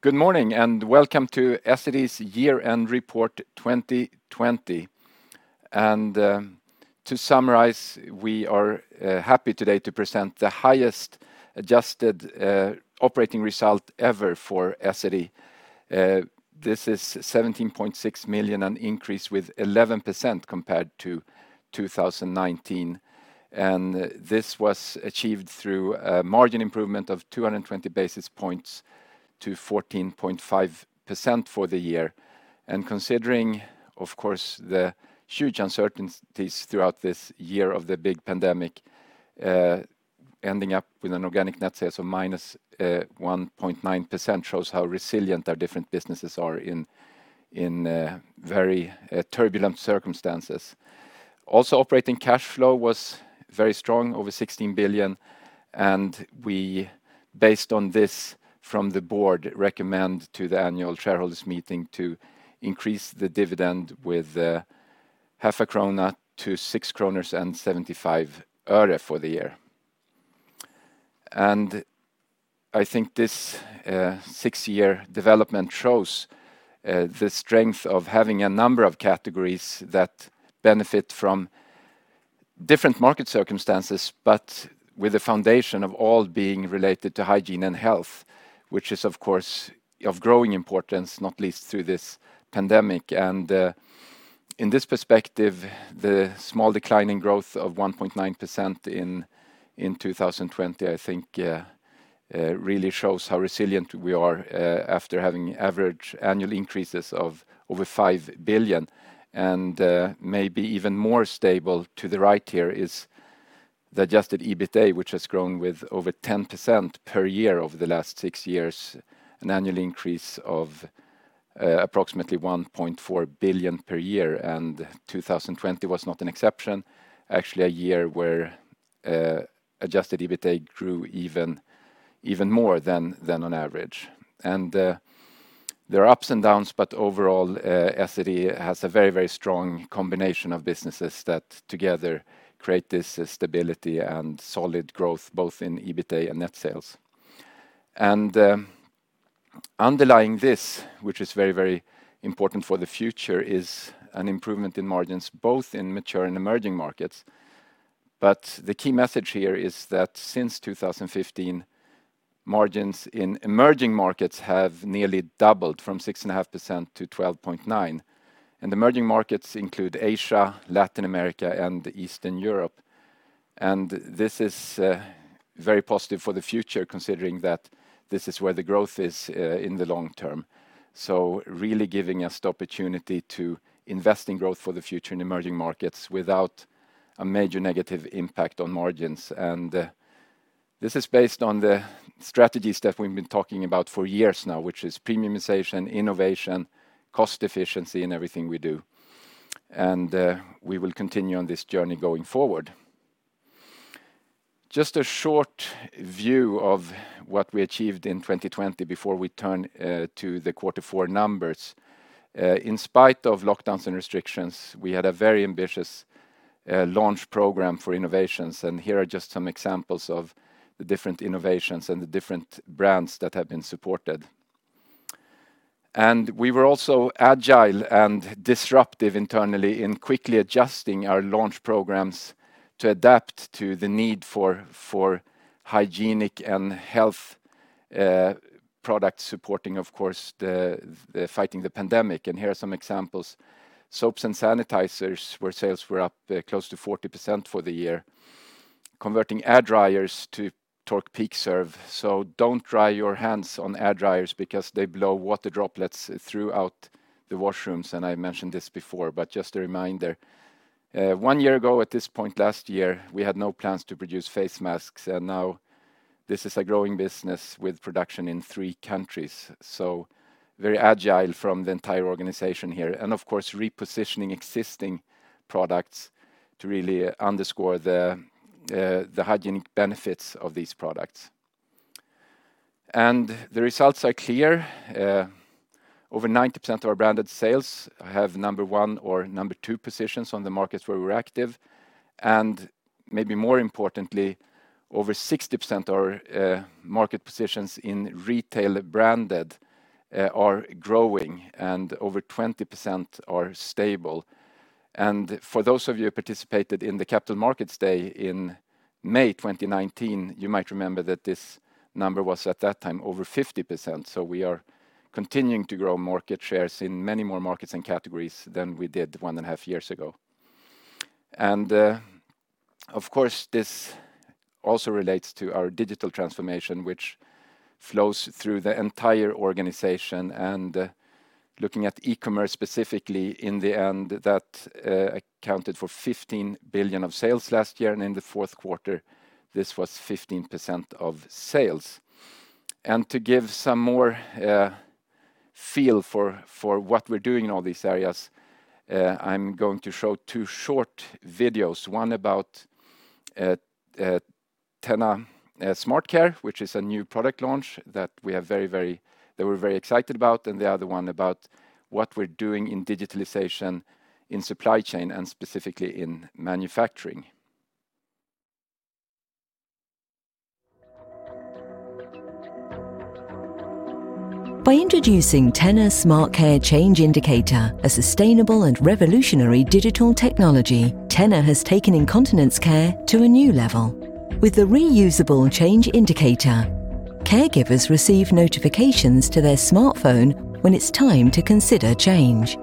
Good morning, welcome to Essity's year-end report 2020. To summarize, we are happy today to present the highest adjusted operating result ever for Essity. This is 17.6 million, an increase with 11% compared to 2019. This was achieved through a margin improvement of 220 basis points to 14.5% for the year. Considering, of course, the huge uncertainties throughout this year of the big pandemic, ending up with an organic net sales of -1.9% shows how resilient our different businesses are in very turbulent circumstances. Also operating cash flow was very strong, over 16 billion, and we, based on this from the board, recommend to the annual shareholders meeting to increase the dividend with SEK 0.5 to 6.75 kronor for the year. I think this six-year development shows the strength of having a number of categories that benefit from different market circumstances, but with the foundation of all being related to hygiene and health, which is, of course, of growing importance, not least through this pandemic. In this perspective, the small decline in growth of 1.9% in 2020, I think really shows how resilient we are after having average annual increases of over 5 billion. Maybe even more stable to the right here is the Adjusted EBITA, which has grown with over 10% per year over the last six years, an annual increase of approximately 1.4 billion per year. 2020 was not an exception. Actually, a year where Adjusted EBITA grew even more than on average. There are ups and downs, but overall, Essity has a very strong combination of businesses that together create this stability and solid growth, both in EBITA and net sales. Underlying this, which is very important for the future, is an improvement in margins, both in mature and emerging markets. The key message here is that since 2015, margins in emerging markets have nearly doubled from 6.5% to 12.9%. Emerging markets include Asia, Latin America, and Eastern Europe. This is very positive for the future, considering that this is where the growth is in the long term. Really giving us the opportunity to invest in growth for the future in emerging markets without a major negative impact on margins. This is based on the strategies that we've been talking about for years now, which is premiumization, innovation, cost efficiency in everything we do. We will continue on this journey going forward. Just a short view of what we achieved in 2020 before we turn to the quarter four numbers. In spite of lockdowns and restrictions, we had a very ambitious launch program for innovations, and here are just some examples of the different innovations and the different brands that have been supported. We were also agile and disruptive internally in quickly adjusting our launch programs to adapt to the need for hygienic and health products supporting, of course, the fighting the pandemic. Here are some examples. Soaps and sanitizers, where sales were up close to 40% for the year. Converting air dryers to Tork PeakServe. Don't dry your hands on air dryers because they blow water droplets throughout the washrooms. I mentioned this before, but just a reminder. One year ago, at this point last year, we had no plans to produce face masks. Now this is a growing business with production in three countries. Very agile from the entire organization here. Of course, repositioning existing products to really underscore the hygienic benefits of these products. The results are clear. Over 90% of our branded sales have number one or number two positions on the markets where we're active. Maybe more importantly, over 60% are market positions in retail branded are growing, and over 20% are stable. For those of you who participated in the Capital Markets Day in May 2019, you might remember that this number was at that time over 50%. We are continuing to grow market shares in many more markets and categories than we did one and a half years ago. Of course, this also relates to our digital transformation, which flows through the entire organization. Looking at e-commerce specifically in the end, that accounted for 15 billion of sales last year. In the fourth quarter, this was 15% of sales. To give some more feel for what we're doing in all these areas, I'm going to show two short videos. One about TENA SmartCare, which is a new product launch that we're very excited about, and the other one about what we're doing in digitalization in supply chain and specifically in manufacturing. By introducing TENA SmartCare Change Indicator, a sustainable and revolutionary digital technology, TENA has taken incontinence care to a new level. With the reusable change indicator, caregivers receive notifications to their smartphone when it's time to consider change.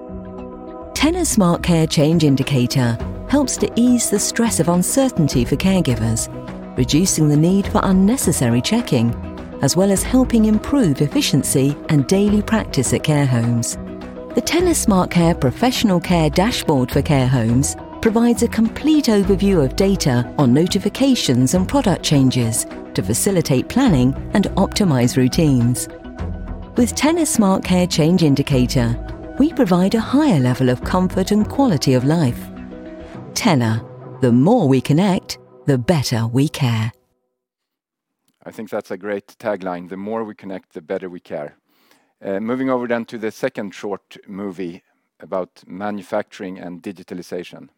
TENA SmartCare Change Indicator helps to ease the stress of uncertainty for caregivers, reducing the need for unnecessary checking, as well as helping improve efficiency and daily practice at care homes. The TENA SmartCare Professional Care Dashboard for care homes provides a complete overview of data on notifications and product changes to facilitate planning and optimize routines. With TENA SmartCare Change Indicator, we provide a higher level of comfort and quality of life. TENA, the more we connect, the better we care. I think that's a great tagline. The more we connect, the better we care. Moving over to the second short movie about manufacturing and digitalization.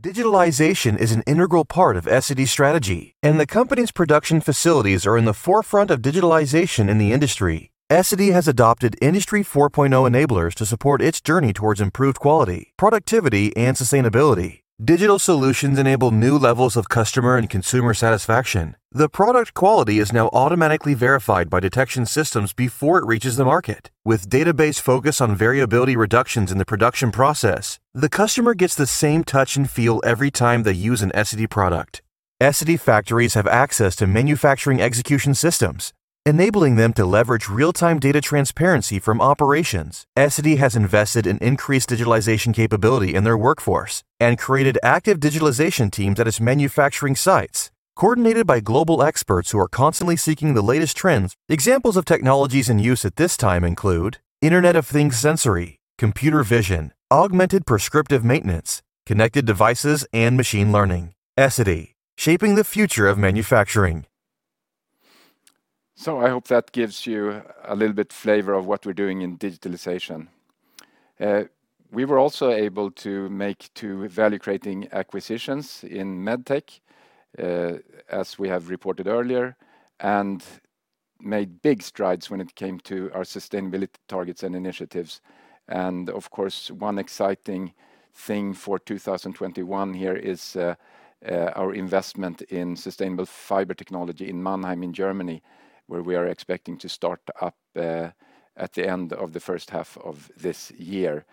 Digitalization is an integral part of Essity's strategy, and the company's production facilities are in the forefront of digitalization in the industry. Essity has adopted Industry 4.0 enablers to support its journey towards improved quality, productivity, and sustainability. Digital solutions enable new levels of customer and consumer satisfaction. The product quality is now automatically verified by detection systems before it reaches the market. With database focus on variability reductions in the production process, the customer gets the same touch and feel every time they use an Essity product. Essity factories have access to manufacturing execution systems, enabling them to leverage real-time data transparency from operations. Essity has invested in increased digitalization capability in their workforce and created active digitalization teams at its manufacturing sites, coordinated by global experts who are constantly seeking the latest trends. Examples of technologies in use at this time include Internet of Things sensory, computer vision, augmented prescriptive maintenance, connected devices, and machine learning. Essity, shaping the future of manufacturing. I hope that gives you a little bit flavor of what we're doing in digitalization. We were also able to make two value-creating acquisitions in med tech, as we have reported earlier, and made big strides when it came to our sustainability targets and initiatives. Of course, one exciting thing for 2021 here is our investment in sustainable fiber technology in Mannheim in Germany, where we are expecting to start up at the end of the first half of this year.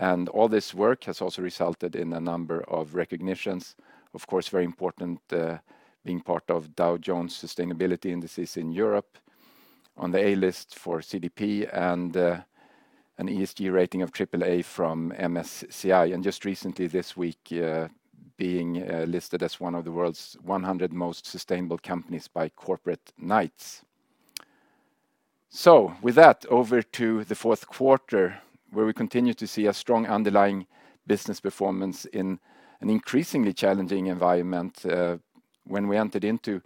All this work has also resulted in a number of recognitions. Of course, very important, being part of Dow Jones Sustainability Indices in Europe, on the A List for CDP, and an ESG rating of AAA from MSCI, and just recently this week, being listed as one of the world's 100 most sustainable companies by Corporate Knights. With that, over to the fourth quarter, where we continue to see a strong underlying business performance in an increasingly challenging environment. When we entered into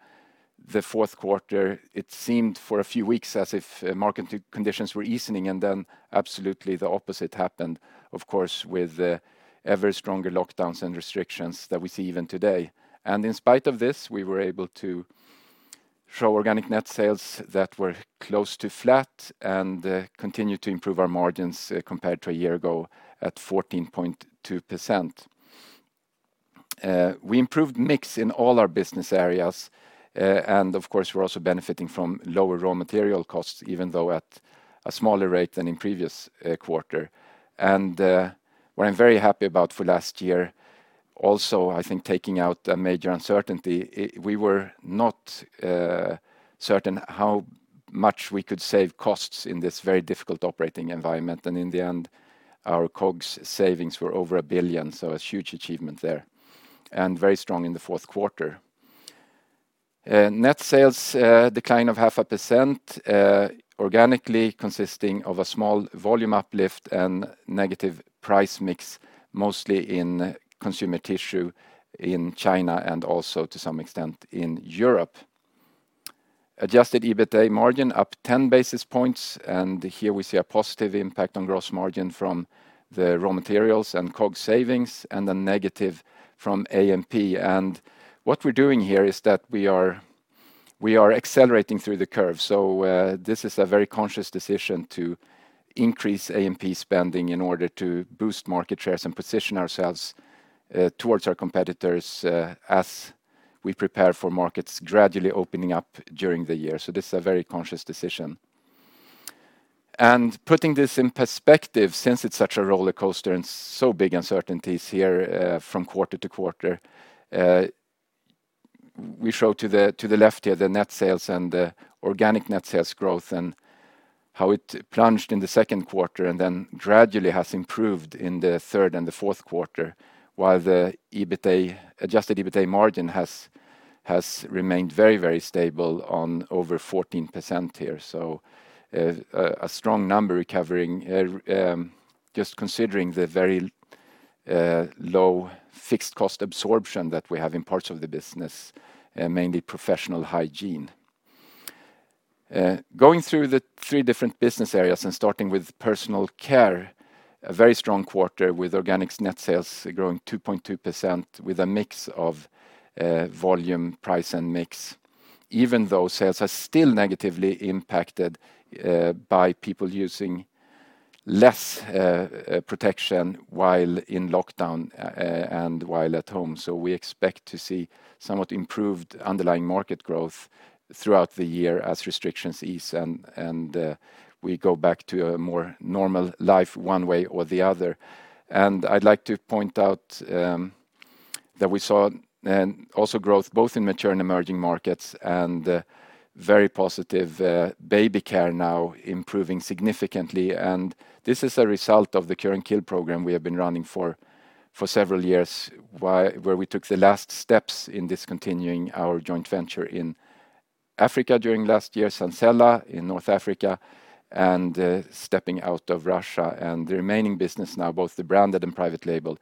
the fourth quarter, it seemed for a few weeks as if market conditions were easing, and then absolutely the opposite happened. Of course, with ever stronger lockdowns and restrictions that we see even today. In spite of this, we were able to show organic net sales that were close to flat and continue to improve our margins compared to a year ago at 14.2%. We improved mix in all our business areas, and of course, we're also benefiting from lower raw material costs, even though at a smaller rate than in previous quarter. What I'm very happy about for last year also, I think taking out a major uncertainty, we were not certain how much we could save costs in this very difficult operating environment. In the end, our COGS savings were over 1 billion, so a huge achievement there, and very strong in the fourth quarter. Net sales decline of 0.5% organically consisting of a small volume uplift and negative price mix, mostly in Consumer Tissue in China and also to some extent in Europe. Adjusted EBITA margin up 10 basis points. Here we see a positive impact on gross margin from the raw materials and COGS savings and then negative from A&P. What we're doing here is that we're accelerating through the curve. This is a very conscious decision to increase A&P spending in order to boost market shares and position ourselves towards our competitors as we prepare for markets gradually opening up during the year. This is a very conscious decision. Putting this in perspective, since it's such a roller coaster and so big uncertainties here from quarter to quarter, we show to the left here the net sales and the organic net sales growth and how it plunged in the second quarter and then gradually has improved in the third and the fourth quarter, while the Adjusted EBITA margin has remained very, very stable on over 14% here. A strong number recovering, just considering the very low fixed cost absorption that we have in parts of the business, mainly Professional Hygiene. Going through the three different business areas and starting with Personal Care, a very strong quarter with organics net sales growing 2.2% with a mix of volume, price, and mix, even though sales are still negatively impacted by people using less protection while in lockdown and while at home. We expect to see somewhat improved underlying market growth throughout the year as restrictions ease and we go back to a more normal life one way or the other. I'd like to point out that we saw also growth both in mature and emerging markets and very positive Baby Care now improving significantly. This is a result of the cure and kill program we have been running for several years, where we took the last steps in discontinuing our joint venture in Africa during last year, Sancella in North Africa, and stepping out of Russia. The remaining business now, both the branded and private label,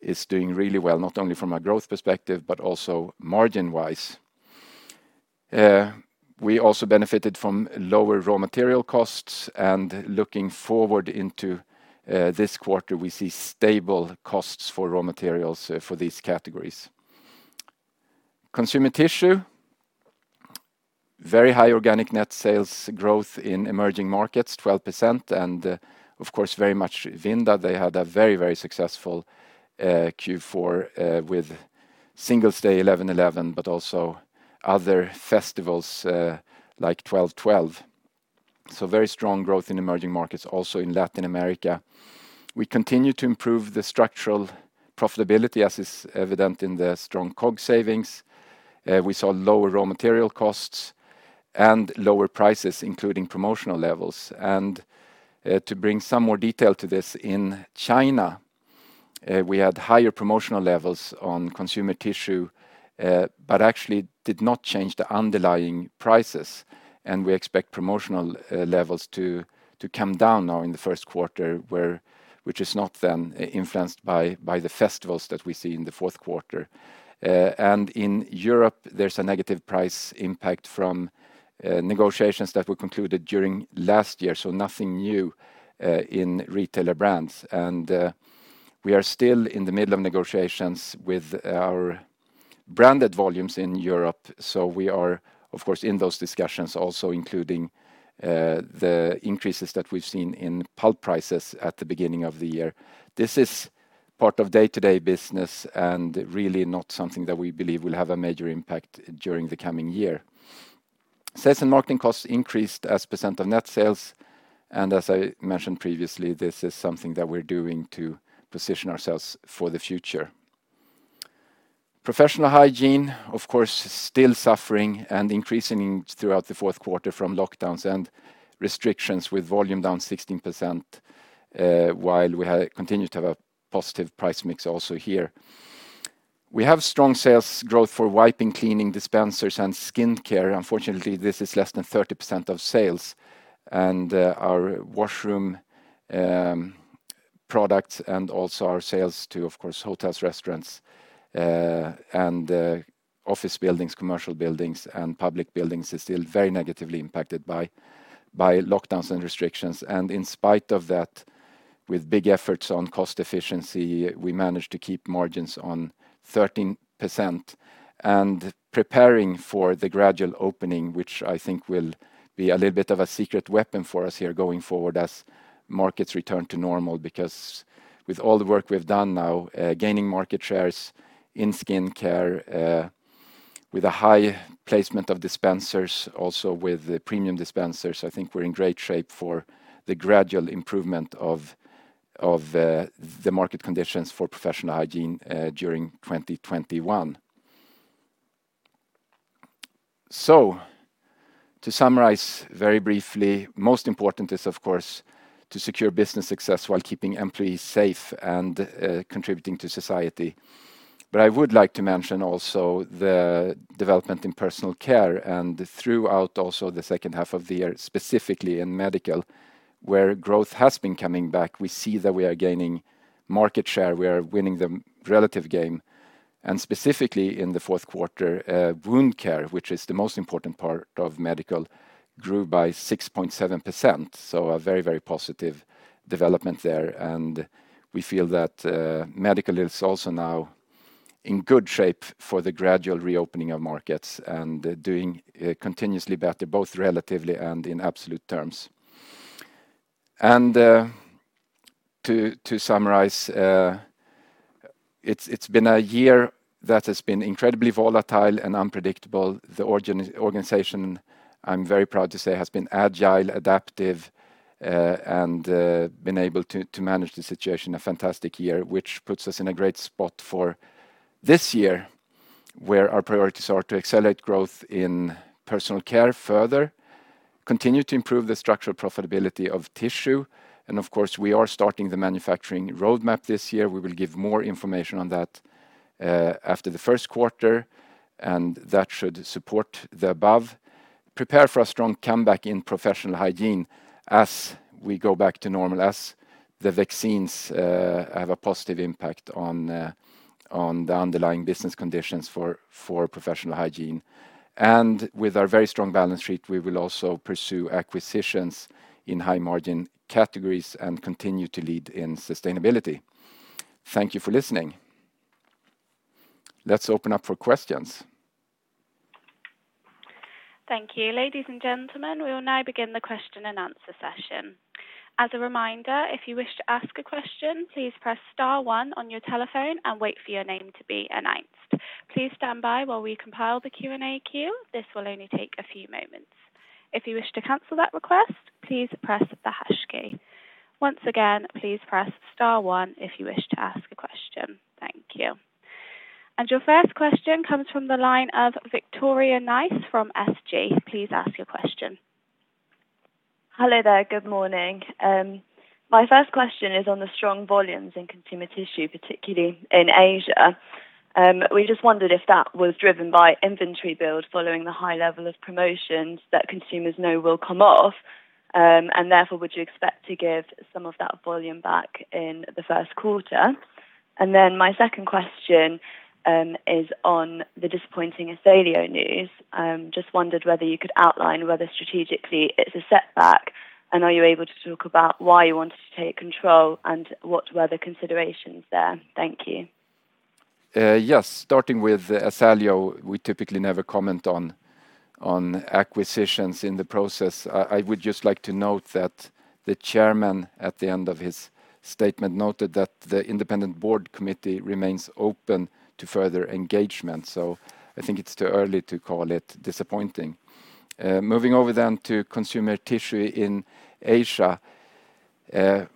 is doing really well, not only from a growth perspective, but also margin-wise. We also benefited from lower raw material costs and looking forward into this quarter, we see stable costs for raw materials for these categories. Consumer Tissue, very high organic net sales growth in emerging markets, 12%, and of course, very much Vinda. They had a very successful Q4 with Singles' Day 11.11, but also other festivals like 12.12. Very strong growth in emerging markets, also in Latin America. We continue to improve the structural profitability, as is evident in the strong COGS savings. We saw lower raw material costs and lower prices, including promotional levels. To bring some more detail to this, in China, we had higher promotional levels on Consumer Tissue, actually did not change the underlying prices. We expect promotional levels to come down now in the first quarter, which is not then influenced by the festivals that we see in the fourth quarter. In Europe, there's a negative price impact from negotiations that were concluded during last year. Nothing new in retailer brands. We are still in the middle of negotiations with our branded volumes in Europe. We are, of course, in those discussions also including the increases that we've seen in pulp prices at the beginning of the year. This is part of day-to-day business and really not something that we believe will have a major impact during the coming year. Sales and marketing costs increased as percent of net sales, and as I mentioned previously, this is something that we're doing to position ourselves for the future. Professional Hygiene, of course, still suffering and increasing throughout the fourth quarter from lockdowns and restrictions with volume down 16%, while we continue to have a positive price mix also here. We have strong sales growth for wiping, cleaning dispensers, and skin care. Unfortunately, this is less than 30% of sales and our washroom products and also our sales to, of course, hotels, restaurants, and office buildings, commercial buildings, and public buildings is still very negatively impacted by lockdowns and restrictions. In spite of that, with big efforts on cost efficiency, we managed to keep margins on 13% and preparing for the gradual opening, which I think will be a little bit of a secret weapon for us here going forward as markets return to normal. With all the work we've done now, gaining market shares in skin care with a high placement of dispensers, also with premium dispensers, I think we're in great shape for the gradual improvement of the market conditions for Professional Hygiene during 2021. To summarize very briefly, most important is, of course, to secure business success while keeping employees safe and contributing to society. I would like to mention also the development in Personal Care and throughout also the second half of the year, specifically in medical, where growth has been coming back. We see that we are gaining market share. We are winning the relative game. Specifically in the fourth quarter, wound care, which is the most important part of medical, grew by 6.7%. A very positive development there. We feel that medical is also now in good shape for the gradual reopening of markets and doing continuously better, both relatively and in absolute terms. To summarize, it's been a year that has been incredibly volatile and unpredictable. The organization, I'm very proud to say, has been agile, adaptive, and been able to manage the situation a fantastic year, which puts us in a great spot for this year, where our priorities are to accelerate growth in Personal Care further, continue to improve the structural profitability of Tissue. Of course, we are starting the manufacturing roadmap this year. We will give more information on that after the first quarter, and that should support the above. Prepare for a strong comeback in Professional Hygiene as we go back to normal, as the vaccines have a positive impact on the underlying business conditions for Professional Hygiene. With our very strong balance sheet, we will also pursue acquisitions in high-margin categories and continue to lead in sustainability. Thank you for listening. Let's open up for questions. Thank you. Ladies and gentlemen, we will now begin the question and answer session. As a reminder, if you wish to ask a question, please press star one on your telephone and wait for your name to be announced. Please stand by while we compile the Q&A queue. This will only take a few moments. If you wish to cancel that request, please press the hash key. Once again, please press star one if you wish to ask a question. Thank you. Your first question comes from the line of Victoria Nice from SG. Please ask your question. Hello there. Good morning. My first question is on the strong volumes in Consumer Tissue, particularly in Asia. We just wondered if that was driven by inventory build following the high level of promotions that consumers know will come off, and therefore, would you expect to give some of that volume back in the first quarter? My second question is on the disappointing Asaleo news. Just wondered whether you could outline whether strategically it's a setback, and are you able to talk about why you wanted to take control, and what were the considerations there? Thank you. Yes. Starting with Asaleo, we typically never comment on acquisitions in the process. I would just like to note that the chairman, at the end of his statement, noted that the independent board committee remains open to further engagement. I think it's too early to call it disappointing. Moving over then to Consumer Tissue in Asia. I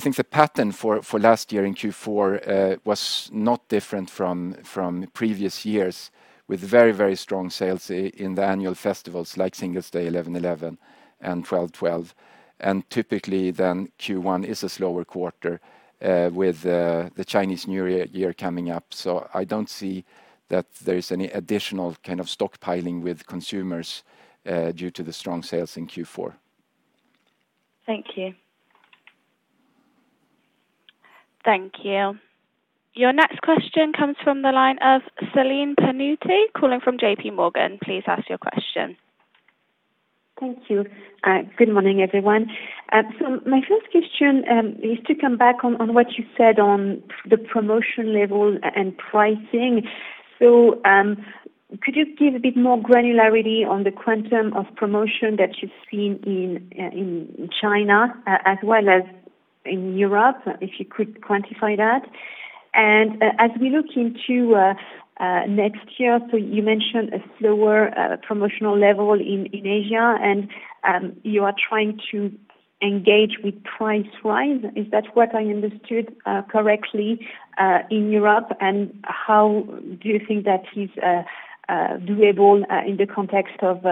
think the pattern for last year in Q4 was not different from previous years with very, very strong sales in the annual festivals like Singles' Day 11.11 and 12.12. Typically then Q1 is a slower quarter with the Chinese New Year coming up. I don't see that there's any additional stockpiling with consumers due to the strong sales in Q4. Thank you. Thank you. Your next question comes from the line of Celine Pannuti, calling from JPMorgan. Please ask your question. Thank you. Good morning, everyone. My first question is to come back on what you said on the promotion level and pricing. Could you give a bit more granularity on the quantum of promotion that you've seen in China as well as in Europe, if you could quantify that? As we look into next year, so you mentioned a slower promotional level in Asia, and you are trying to engage with price rise. Is that what I understood correctly in Europe? How do you think that is doable in the context of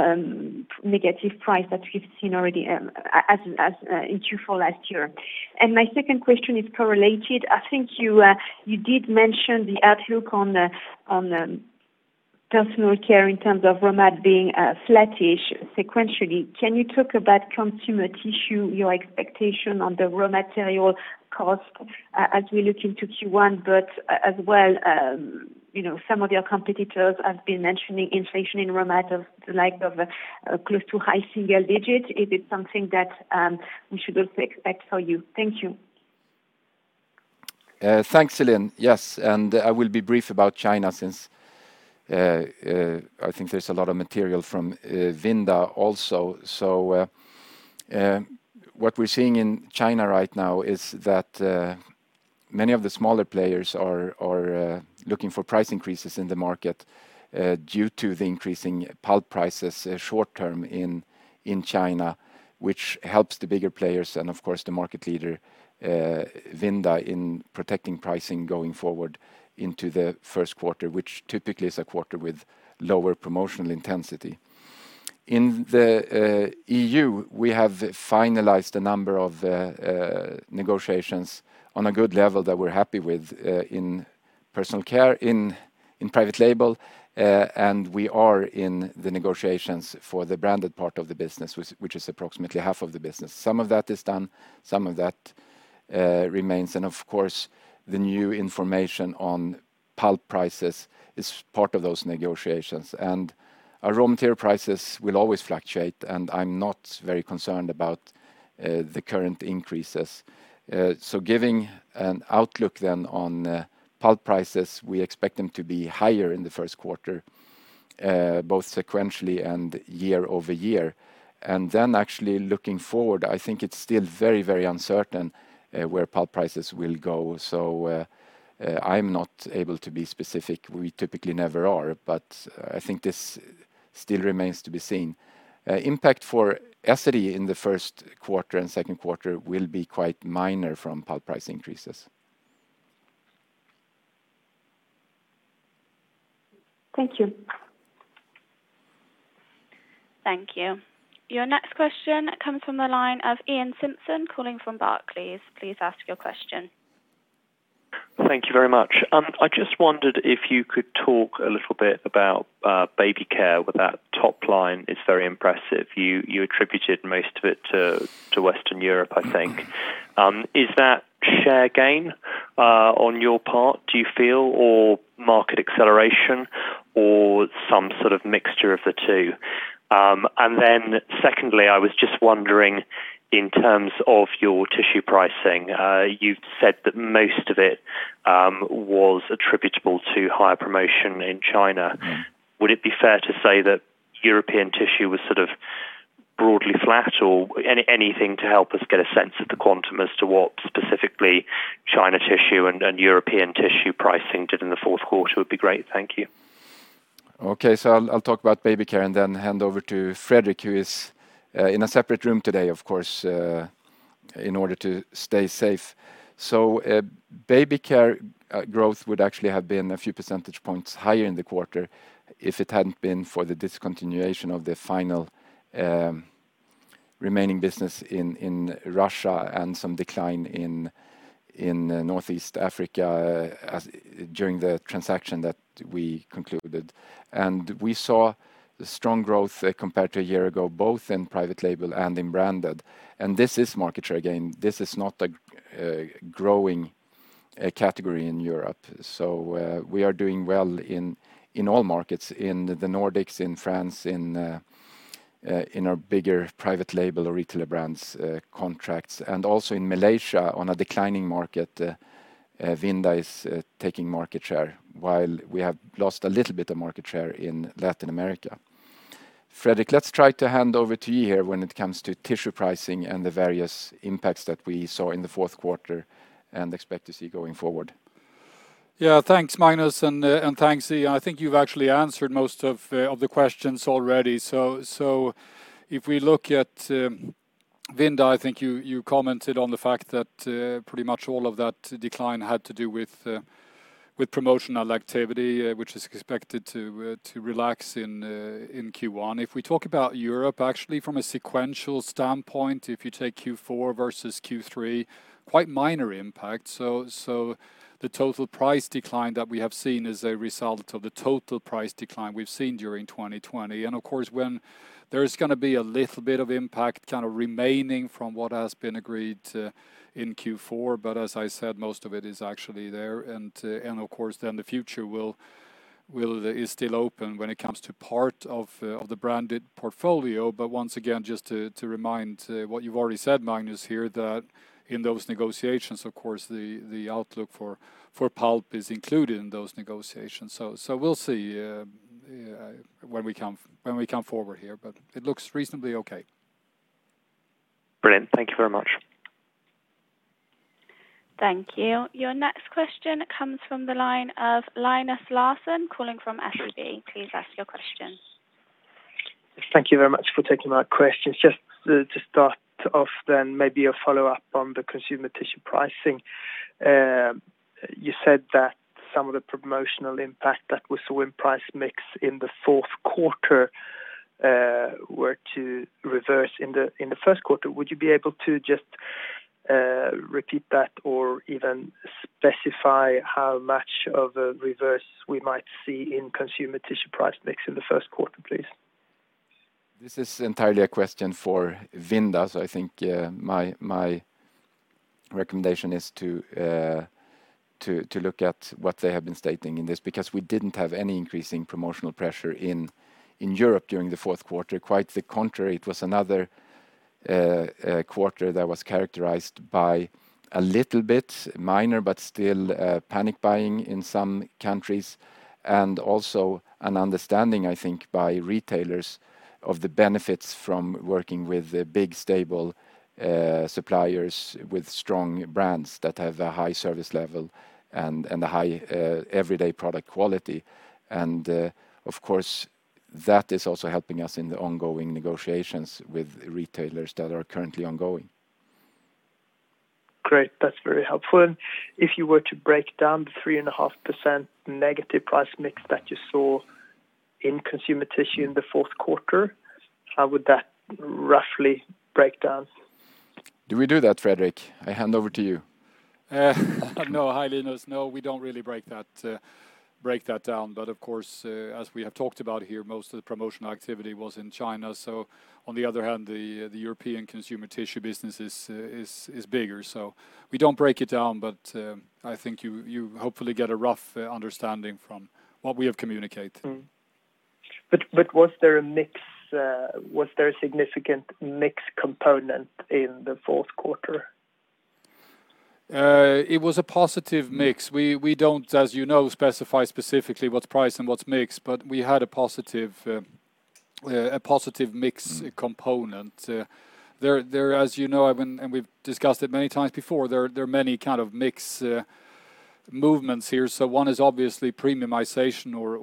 negative price that we've seen already in Q4 last year? My second question is correlated. I think you did mention the outlook on Personal Care in terms of raw mat being flattish sequentially. Can you talk about Consumer Tissue, your expectation on the raw material cost as we look into Q1? As well some of your competitors have been mentioning inflation in raw mat of the like of close to high single digit. Is it something that we should also expect for you? Thank you. Thanks, Celine. Yes, I will be brief about China since I think there's a lot of material from Vinda also. What we're seeing in China right now is that many of the smaller players are looking for price increases in the market due to the increasing pulp prices short-term in China, which helps the bigger players and of course the market leader, Vinda, in protecting pricing going forward into the first quarter, which typically is a quarter with lower promotional intensity. In the EU, we have finalized a number of negotiations on a good level that we're happy with in Personal Care in private label. We are in the negotiations for the branded part of the business, which is approximately half of the business. Some of that is done, some of that remains. Of course, the new information on pulp prices is part of those negotiations. Our raw material prices will always fluctuate, and I'm not very concerned about the current increases. Giving an outlook then on pulp prices, we expect them to be higher in the first quarter, both sequentially and year-over-year. Then actually looking forward, I think it's still very uncertain where pulp prices will go. I'm not able to be specific. We typically never are, but I think this still remains to be seen. Impact for Essity in the first quarter and second quarter will be quite minor from pulp price increases. Thank you. Thank you. Your next question comes from the line of Iain Simpson calling from Barclays. Please ask your question. Thank you very much. I just wondered if you could talk a little bit about Baby Care, where that top line is very impressive. You attributed most of it to Western Europe, I think. Is that share gain on your part, do you feel, or market acceleration, or some sort of mixture of the two? Secondly, I was just wondering in terms of your tissue pricing, you've said that most of it was attributable to higher promotion in China. Would it be fair to say that European tissue was sort of broadly flat? Anything to help us get a sense of the quantum as to what specifically China tissue and European tissue pricing did in the fourth quarter would be great. Thank you. I'll talk about Baby Care and then hand over to Fredrik, who is in a separate room today, of course, in order to stay safe. Baby Care growth would actually have been a few percentage points higher in the quarter if it hadn't been for the discontinuation of the final remaining business in Russia and some decline in Northeast Africa during the transaction that we concluded. We saw strong growth compared to a year ago, both in private label and in branded. This is market share gain. This is not a growing category in Europe. We are doing well in all markets, in the Nordics, in France, in our bigger private label or retailer brands contracts, and also in Malaysia on a declining market, Vinda is taking market share while we have lost a little bit of market share in Latin America. Fredrik, let's try to hand over to you here when it comes to tissue pricing and the various impacts that we saw in the fourth quarter and expect to see going forward. Thanks, Magnus, and thanks, Iain. I think you've actually answered most of the questions already. If we look at Vinda, I think you commented on the fact that pretty much all of that decline had to do with promotional activity, which is expected to relax in Q1. If we talk about Europe, actually from a sequential standpoint, if you take Q4 versus Q3, quite minor impact. The total price decline that we have seen is a result of the total price decline we've seen during 2020. Of course, when there's going to be a little bit of impact kind of remaining from what has been agreed to in Q4. As I said, most of it is actually there, and of course, then the future is still open when it comes to part of the branded portfolio. Once again, just to remind what you've already said, Magnus, here, that in those negotiations, of course, the outlook for pulp is included in those negotiations. We'll see when we come forward here, but it looks reasonably okay. Brilliant. Thank you very much. Thank you. Your next question comes from the line of Linus Larsson calling from SEB. Please ask your question. Thank you very much for taking my questions. Just to start off, maybe a follow-up on the Consumer Tissue pricing. You said that some of the promotional impact that we saw in price mix in the fourth quarter were to reverse in the first quarter. Would you be able to just repeat that or even specify how much of a reverse we might see in Consumer Tissue price mix in the first quarter, please? This is entirely a question for Vinda. I think my recommendation is to look at what they have been stating in this, because we didn't have any increasing promotional pressure in Europe during the fourth quarter. Quite the contrary, it was another quarter that was characterized by a little bit minor, but still panic buying in some countries. Also an understanding, I think, by retailers of the benefits from working with big, stable suppliers with strong brands that have a high service level and a high everyday product quality. Of course, that is also helping us in the ongoing negotiations with retailers that are currently ongoing. Great. That's very helpful. If you were to break down the 3.5% negative price mix that you saw in Consumer Tissue in the fourth quarter, how would that roughly break down? Do we do that, Fredrik? I hand over to you. No. Hi, Linus. No, we don't really break that down. Of course, as we have talked about here, most of the promotional activity was in China. On the other hand, the European Consumer Tissue business is bigger. We don't break it down, but I think you hopefully get a rough understanding from what we have communicated. Was there a significant mix component in the fourth quarter? It was a positive mix. We don't, as you know, specify specifically what's price and what's mix, but we had a positive mix component. There, as you know, and we've discussed it many times before, there are many kind of mix movements here. One is obviously premiumization or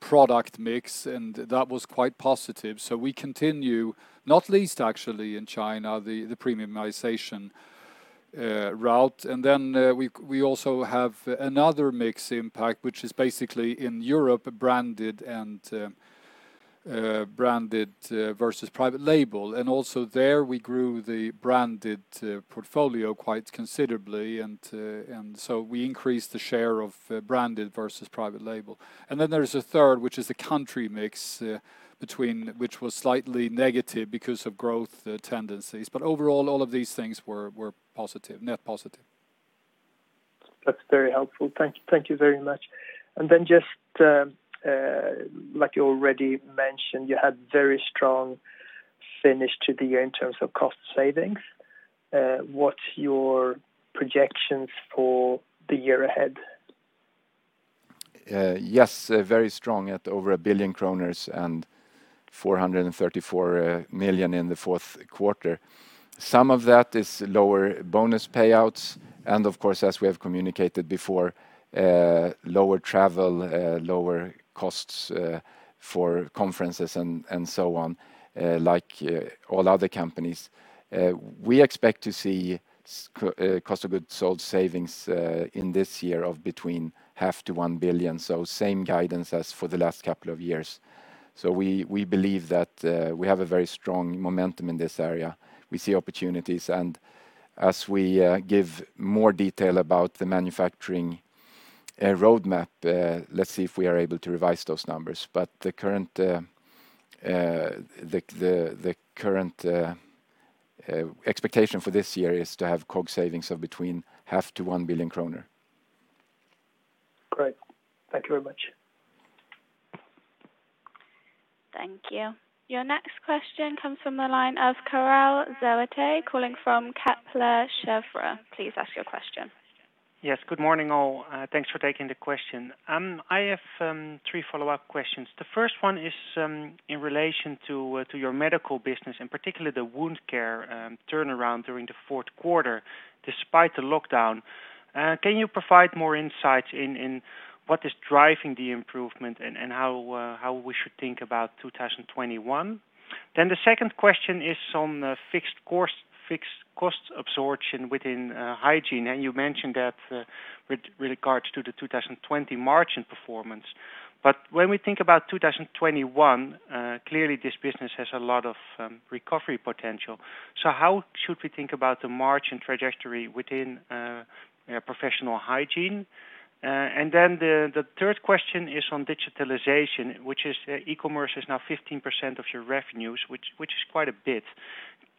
product mix, and that was quite positive. We continue, not least actually in China, the premiumization route. Then we also have another mix impact, which is basically in Europe, branded versus private label. Also there we grew the branded portfolio quite considerably. So we increased the share of branded versus private label. Then there is a third, which is the country mix between which was slightly negative because of growth tendencies, but overall, all of these things were net positive. That's very helpful. Thank you very much. Just like you already mentioned, you had very strong finish to the year in terms of cost savings. What's your projections for the year ahead? Yes, very strong at over 1 billion kronor and 434 million in the fourth quarter. Some of that is lower bonus payouts and of course, as we have communicated before, lower travel, lower costs for conferences and so on, like all other companies. We expect to see cost of goods sold savings in this year of between SEK 500 million to 1 billion. Same guidance as for the last couple of years. We believe that we have a very strong momentum in this area. We see opportunities and as we give more detail about the manufacturing roadmap, let's see if we are able to revise those numbers. The current expectation for this year is to have COGS savings of between SEK 500 million to 1 billion kronor. Great. Thank you very much. Thank you. Your next question comes from the line of Karel Zoete calling from Kepler Cheuvreux. Please ask your question. Yes. Good morning all. Thanks for taking the question. I have three follow-up questions. The first one is in relation to your medical business and particularly the wound care turnaround during the fourth quarter, despite the lockdown. Can you provide more insights in what is driving the improvement and how we should think about 2021? The second question is on fixed cost absorption within hygiene, and you mentioned that with regards to the 2020 margin performance. When we think about 2021, clearly this business has a lot of recovery potential. How should we think about the margin trajectory within Professional Hygiene? The third question is on digitalization, which is e-commerce is now 15% of your revenues, which is quite a bit.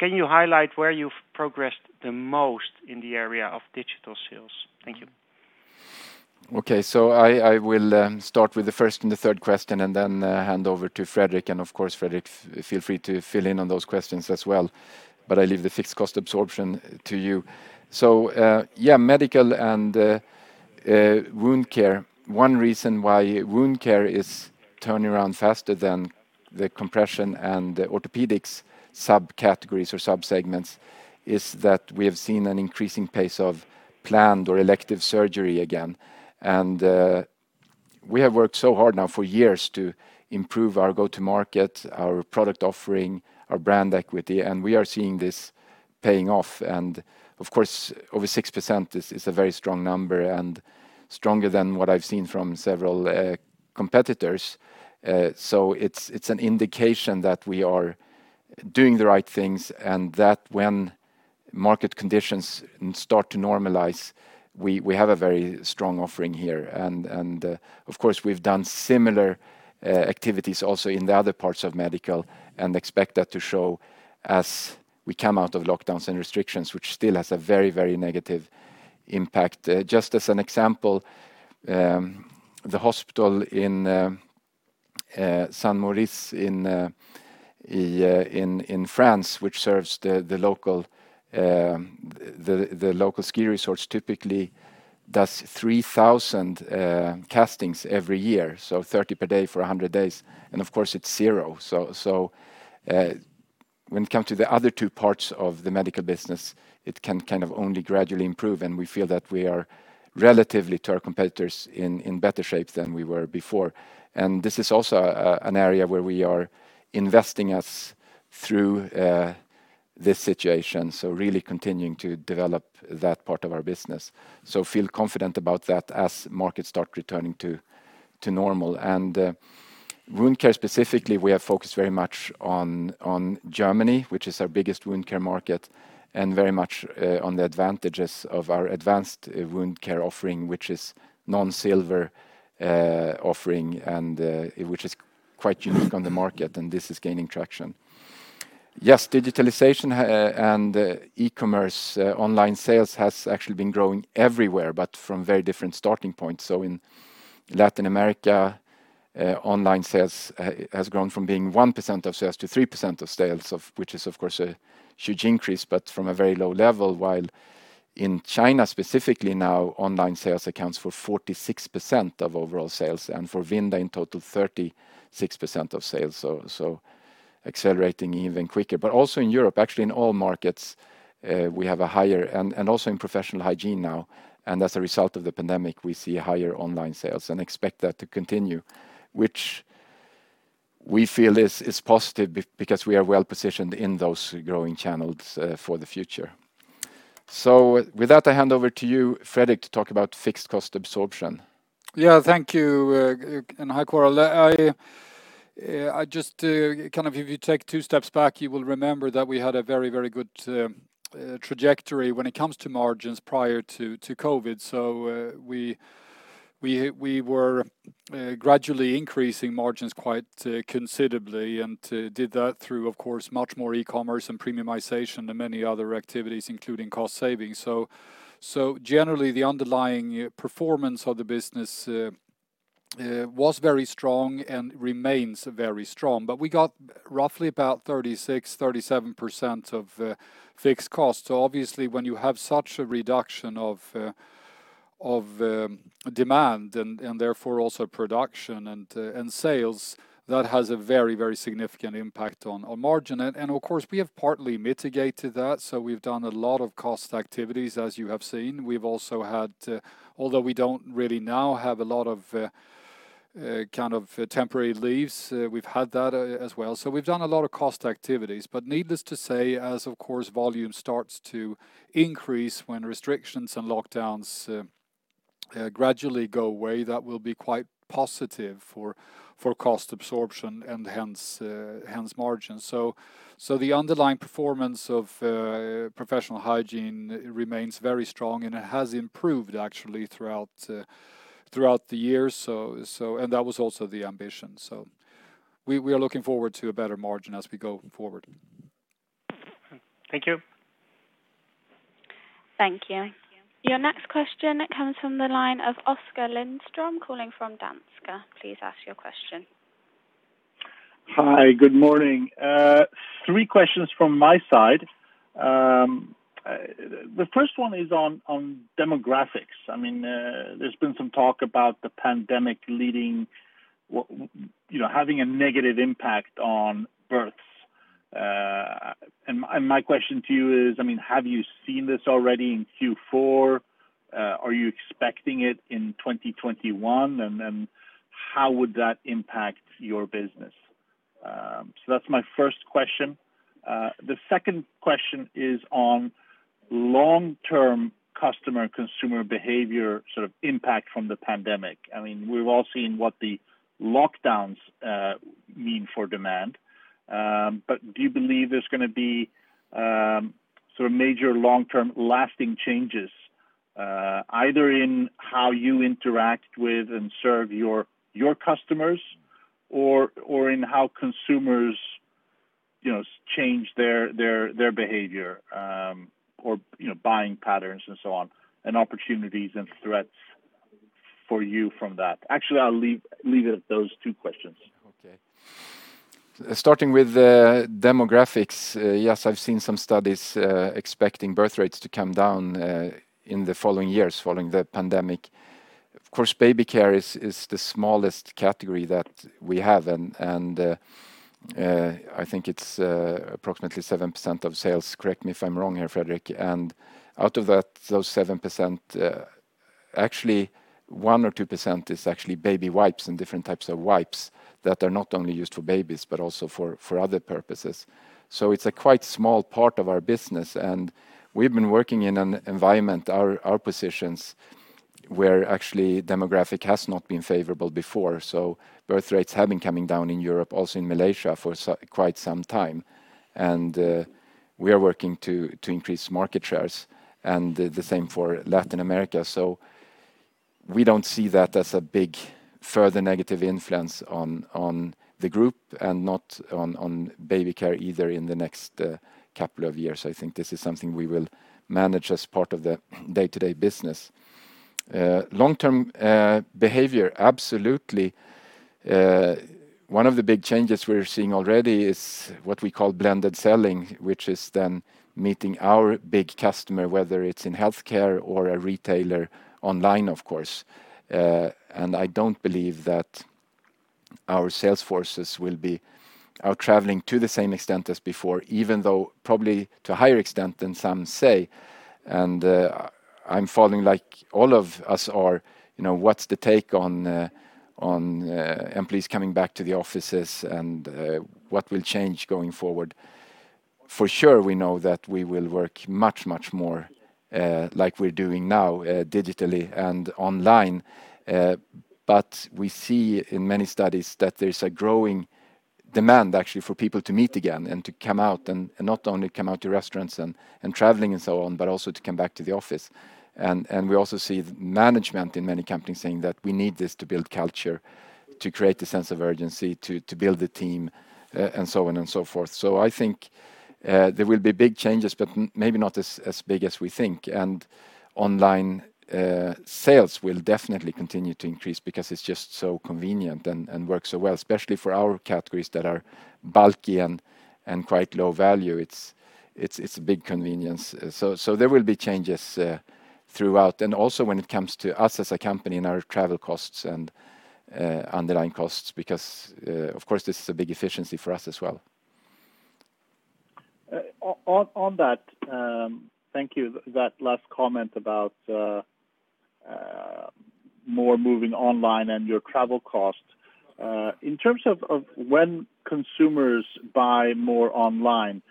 Can you highlight where you've progressed the most in the area of digital sales? Thank you. I will start with the first and the third question and then hand over to Fredrik. Of course, Fredrik, feel free to fill in on those questions as well, but I leave the fixed cost absorption to you. Medical and wound care. One reason why wound care is turning around faster than the compression and orthopedics subcategories or subsegments is that we have seen an increasing pace of planned or elective surgery again. We have worked so hard now for years to improve our go-to-market, our product offering, our brand equity, and we are seeing this paying off. Of course, over 6% is a very strong number and stronger than what I've seen from several competitors. It's an indication that we are doing the right things and that when market conditions start to normalize, we have a very strong offering here. Of course, we've done similar activities also in the other parts of Medical and expect that to show as we come out of lockdowns and restrictions, which still has a very, very negative impact. Just as an example, the hospital in Saint-Maurice in France, which serves the local ski resort, typically does 3,000 castings every year, so 30 per day for 100 days, of course it's zero. When it comes to the other two parts of the Medical business, it can kind of only gradually improve, we feel that we are relatively to our competitors in better shape than we were before. This is also an area where we are investing us through this situation. Really continuing to develop that part of our business. Feel confident about that as markets start returning to normal. Wound care specifically, we are focused very much on Germany, which is our biggest wound care market, and very much on the advantages of our advanced wound care offering, which is non-silver offering and which is quite unique on the market, and this is gaining traction. Yes, digitalization and e-commerce online sales has actually been growing everywhere, but from very different starting points. In Latin America, online sales has grown from being 1% of sales to 3% of sales of which is of course a huge increase, but from a very low level. While in China specifically now online sales accounts for 46% of overall sales and for Vinda in total 36% of sales, so accelerating even quicker. Also in Europe, actually in all markets and also in Professional Hygiene now, and as a result of the pandemic, we see higher online sales and expect that to continue, which we feel this is positive because we are well positioned in those growing channels for the future. With that, I hand over to you, Fredrik, to talk about fixed cost absorption. Yeah. Thank you, and hi, Karel. If you take two steps back, you will remember that we had a very good trajectory when it comes to margins prior to COVID. We were gradually increasing margins quite considerably and did that through, of course, much more e-commerce and premiumization and many other activities, including cost savings. Generally, the underlying performance of the business was very strong and remains very strong. We got roughly about 36%, 37% of fixed costs. Obviously, when you have such a reduction of demand and therefore also production and sales, that has a very significant impact on our margin. Of course, we have partly mitigated that. We've done a lot of cost activities, as you have seen. Although we don't really now have a lot of temporary leaves, we've had that as well. We've done a lot of cost activities. Needless to say, as of course volume starts to increase when restrictions and lockdowns gradually go away, that will be quite positive for cost absorption and hence margin. The underlying performance of Professional Hygiene remains very strong, and it has improved actually throughout the year. That was also the ambition. We are looking forward to a better margin as we go forward. Thank you. Thank you. Your next question comes from the line of Oskar Lindström calling from Danske. Please ask your question. Hi. Good morning. Three questions from my side. The first one is on demographics. There's been some talk about the pandemic having a negative impact on births. My question to you is, have you seen this already in Q4? Are you expecting it in 2021? How would that impact your business? That's my first question. The second question is on long-term customer consumer behavior impact from the pandemic. We've all seen what the lockdowns mean for demand. Do you believe there's going to be major long-term lasting changes, either in how you interact with and serve your customers or in how consumers change their behavior or buying patterns and so on, and opportunities and threats for you from that? Actually, I'll leave it at those two questions. Okay. Starting with demographics, yes, I've seen some studies expecting birth rates to come down in the following years following the pandemic. Of course, Baby Care is the smallest category that we have, and I think it's approximately 7% of sales, correct me if I'm wrong here, Fredrik. Out of those 7%, actually 1% or 2% is actually baby wipes and different types of wipes that are not only used for babies, but also for other purposes. It's a quite small part of our business, and we've been working in an environment, our positions, where actually demographic has not been favorable before. Birth rates have been coming down in Europe, also in Malaysia for quite some time. We are working to increase market shares and the same for Latin America. We don't see that as a big further negative influence on the group and not on Baby Care either in the next couple of years. I think this is something we will manage as part of the day-to-day business. Long-term behavior, absolutely. One of the big changes we're seeing already is what we call blended selling, which is then meeting our big customer, whether it's in healthcare or a retailer online, of course. I don't believe that our sales forces will be out traveling to the same extent as before, even though probably to a higher extent than some say. I'm following like all of us are, what's the take on employees coming back to the offices and what will change going forward? For sure, we know that we will work much more like we're doing now digitally and online. We see in many studies that there's a growing demand actually for people to meet again and to come out, and not only come out to restaurants and traveling and so on, but also to come back to the office. We also see management in many companies saying that we need this to build culture, to create a sense of urgency, to build the team, and so on and so forth. I think there will be big changes, but maybe not as big as we think. Online sales will definitely continue to increase because it's just so convenient and works so well, especially for our categories that are bulky and quite low value. It's a big convenience. There will be changes throughout. Also when it comes to us as a company and our travel costs and underlying costs, because, of course, this is a big efficiency for us as well. On that, thank you. That last comment about more moving online and your travel costs. In terms of when consumers buy more online,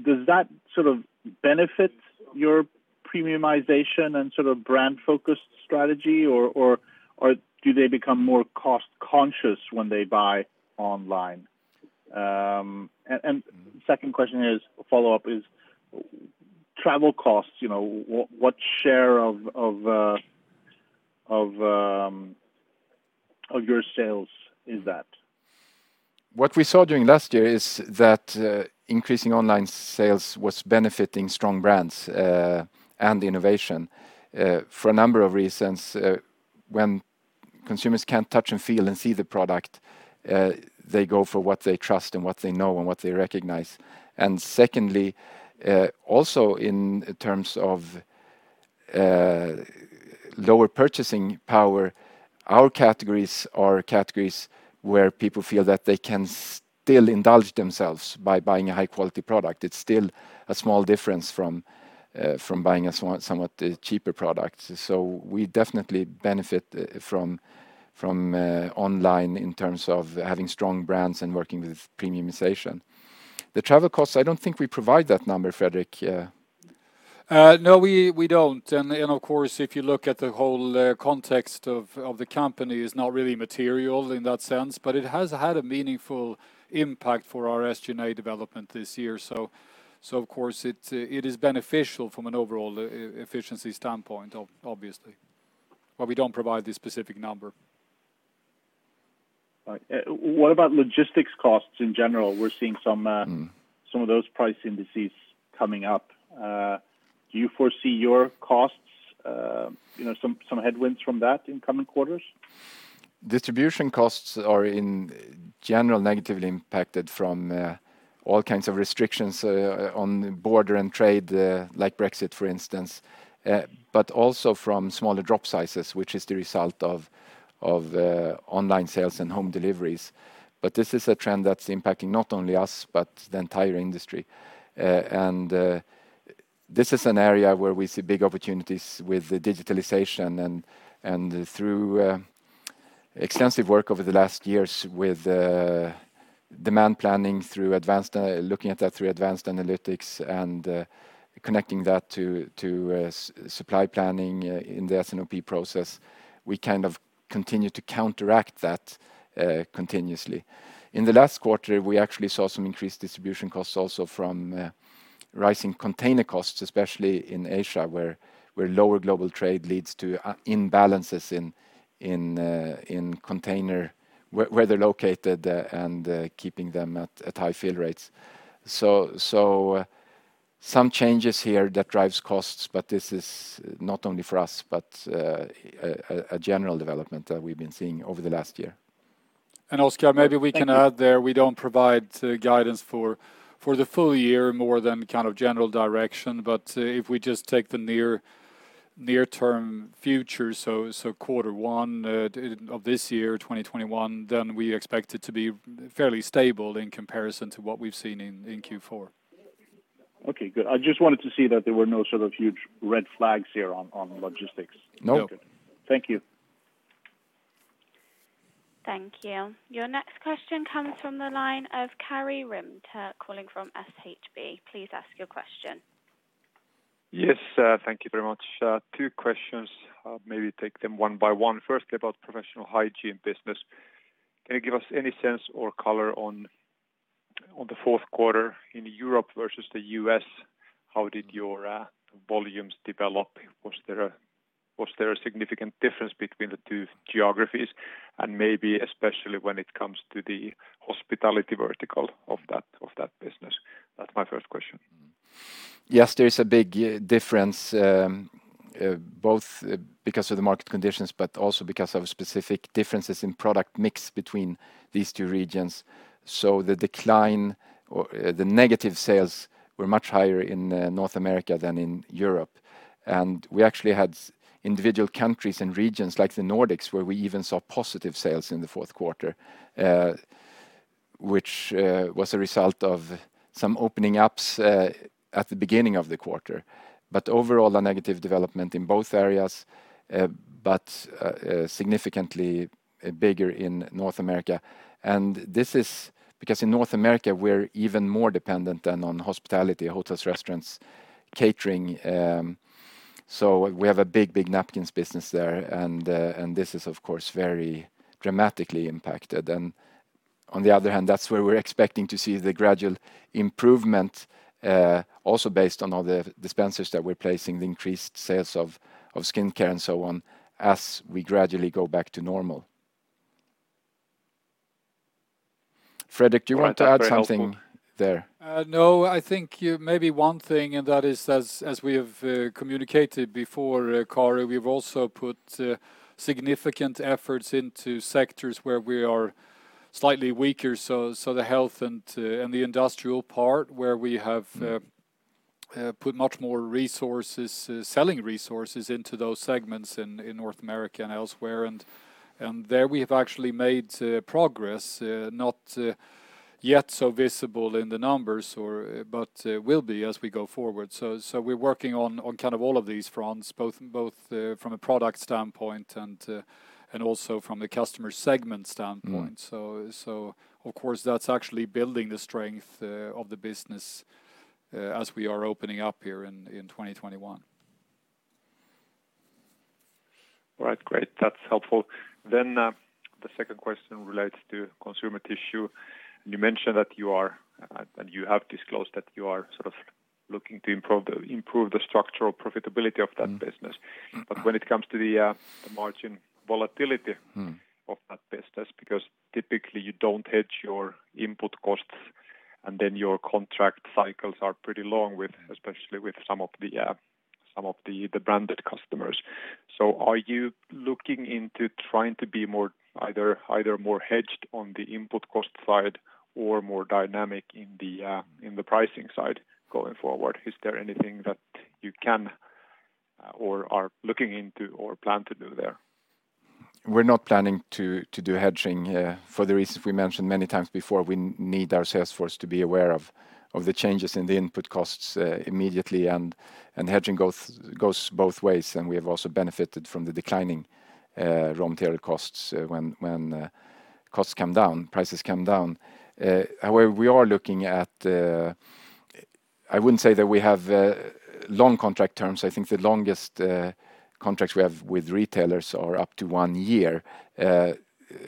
does that benefit your premiumization and brand-focused strategy, or do they become more cost-conscious when they buy online? Second question as a follow-up is travel costs, what share of your sales is that? What we saw during last year is that increasing online sales was benefiting strong brands and innovation for a number of reasons. When consumers can't touch and feel and see the product, they go for what they trust and what they know and what they recognize. Secondly, also in terms of lower purchasing power, our categories are categories where people feel that they can still indulge themselves by buying a high-quality product. It's still a small difference from buying a somewhat cheaper product. We definitely benefit from online in terms of having strong brands and working with premiumization. The travel costs, I don't think we provide that number, Fredrik. No, we don't. Of course, if you look at the whole context of the company is not really material in that sense, but it has had a meaningful impact for our SG&A development this year. Of course, it is beneficial from an overall efficiency standpoint, obviously, but we don't provide the specific number. Right. What about logistics costs in general? We are seeing some of those price indices coming up. Do you foresee your costs, some headwinds from that in coming quarters? Distribution costs are in general negatively impacted from all kinds of restrictions on border and trade, like Brexit, for instance, but also from smaller drop sizes, which is the result of online sales and home deliveries. This is a trend that's impacting not only us, but the entire industry. This is an area where we see big opportunities with digitalization and through extensive work over the last years with demand planning, looking at that through advanced analytics and connecting that to supply planning in the S&OP process. We kind of continue to counteract that continuously. In the last quarter, we actually saw some increased distribution costs also from rising container costs, especially in Asia, where lower global trade leads to imbalances in container, where they're located and keeping them at high fill rates. Some changes here that drives costs, but this is not only for us, but a general development that we've been seeing over the last year. Oskar, maybe we can add there, we don't provide guidance for the full year more than kind of general direction. If we just take the near-term future, quarter one of this year, 2021, we expect it to be fairly stable in comparison to what we've seen in Q4. Okay, good. I just wanted to see that there were no sort of huge red flags here on logistics. No. No. Thank you. Thank you. Your next question comes from the line of Karri Rinta calling from SHB. Please ask your question. Yes, thank you very much. Two questions. I'll maybe take them one by one. Firstly, about Professional Hygiene business. Can you give us any sense or color on the fourth quarter in Europe versus the U.S.? How did your volumes develop? Was there a significant difference between the two geographies? Maybe especially when it comes to the hospitality vertical of that business? That's my first question. Yes, there is a big difference, both because of the market conditions, but also because of specific differences in product mix between these two regions. The negative sales were much higher in North America than in Europe. We actually had individual countries and regions like the Nordics, where we even saw positive sales in the fourth quarter, which was a result of some opening ups at the beginning of the quarter. Overall, a negative development in both areas, but significantly bigger in North America. This is because in North America we're even more dependent than on hospitality, hotels, restaurants, catering. We have a big napkins business there and this is of course very dramatically impacted. On the other hand, that's where we're expecting to see the gradual improvement, also based on all the dispensers that we're placing, the increased sales of skincare and so on as we gradually go back to normal. Fredrik, do you want to add something there? No, I think maybe one thing and that is as we have communicated before, Karri, we've also put significant efforts into sectors where we are slightly weaker. The health and the industrial part where we have put much more selling resources into those segments in North America and elsewhere. There we have actually made progress, not yet so visible in the numbers, but will be as we go forward. We're working on all of these fronts, both from a product standpoint and also from the customer segment standpoint. Of course, that's actually building the strength of the business as we are opening up here in 2021. All right, great. That's helpful. The second question relates to Consumer Tissue. You mentioned that you are, and you have disclosed that you are sort of looking to improve the structural profitability of that business. When it comes to the margin volatility of that business, because typically you don't hedge your input costs, and then your contract cycles are pretty long, especially with some of the branded customers. Are you looking into trying to be either more hedged on the input costs side or more dynamic in the pricing side going forward? Is there anything that you can or are looking into or plan to do there? We're not planning to do hedging here for the reasons we mentioned many times before. We need our sales force to be aware of the changes in the input costs immediately. Hedging goes both ways, and we have also benefited from the declining raw material costs when costs come down, prices come down. However, we are looking at I wouldn't say that we have long contract terms. I think the longest contracts we have with retailers are up to one year.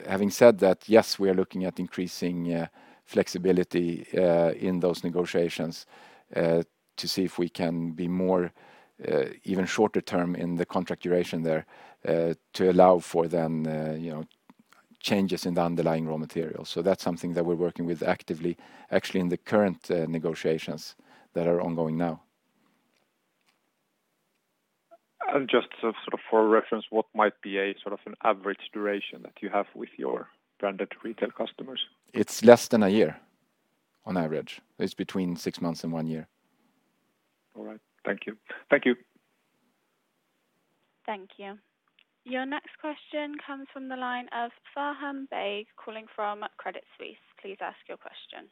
Having said that, yes, we are looking at increasing flexibility in those negotiations to see if we can be more even shorter term in the contract duration there to allow for then changes in the underlying raw materials. That's something that we're working with actively, actually in the current negotiations that are ongoing now. Just sort of for reference, what might be a sort of an average duration that you have with your branded retail customers? It's less than a year on average. It's between six months and one year. All right. Thank you. Thank you. Your next question comes from the line of Faham Baig calling from Credit Suisse. Please ask your question.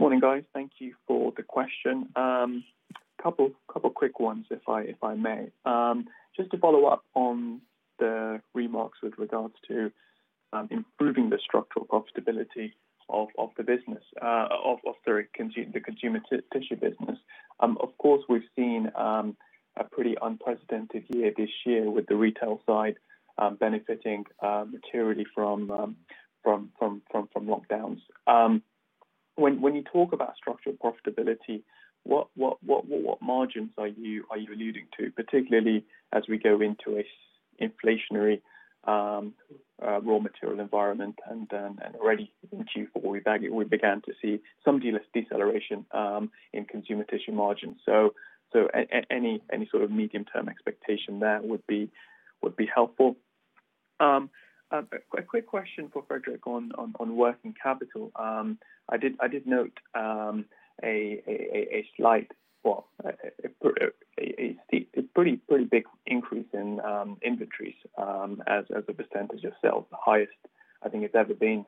Morning, guys. Thank you for the question. Couple quick ones, if I may. Just to follow up on the remarks with regards to improving the structural profitability of the Consumer Tissue business. We've seen a pretty unprecedented year this year with the retail side benefiting materially from lockdowns. When you talk about structural profitability, what margins are you alluding to, particularly as we go into an inflationary raw material environment? Already in Q4, we began to see some deceleration in Consumer Tissue margins. Any sort of medium-term expectation there would be helpful. A quick question for Fredrik on working capital. I did note a pretty big increase in inventories as a percentage of sales, the highest I think it's ever been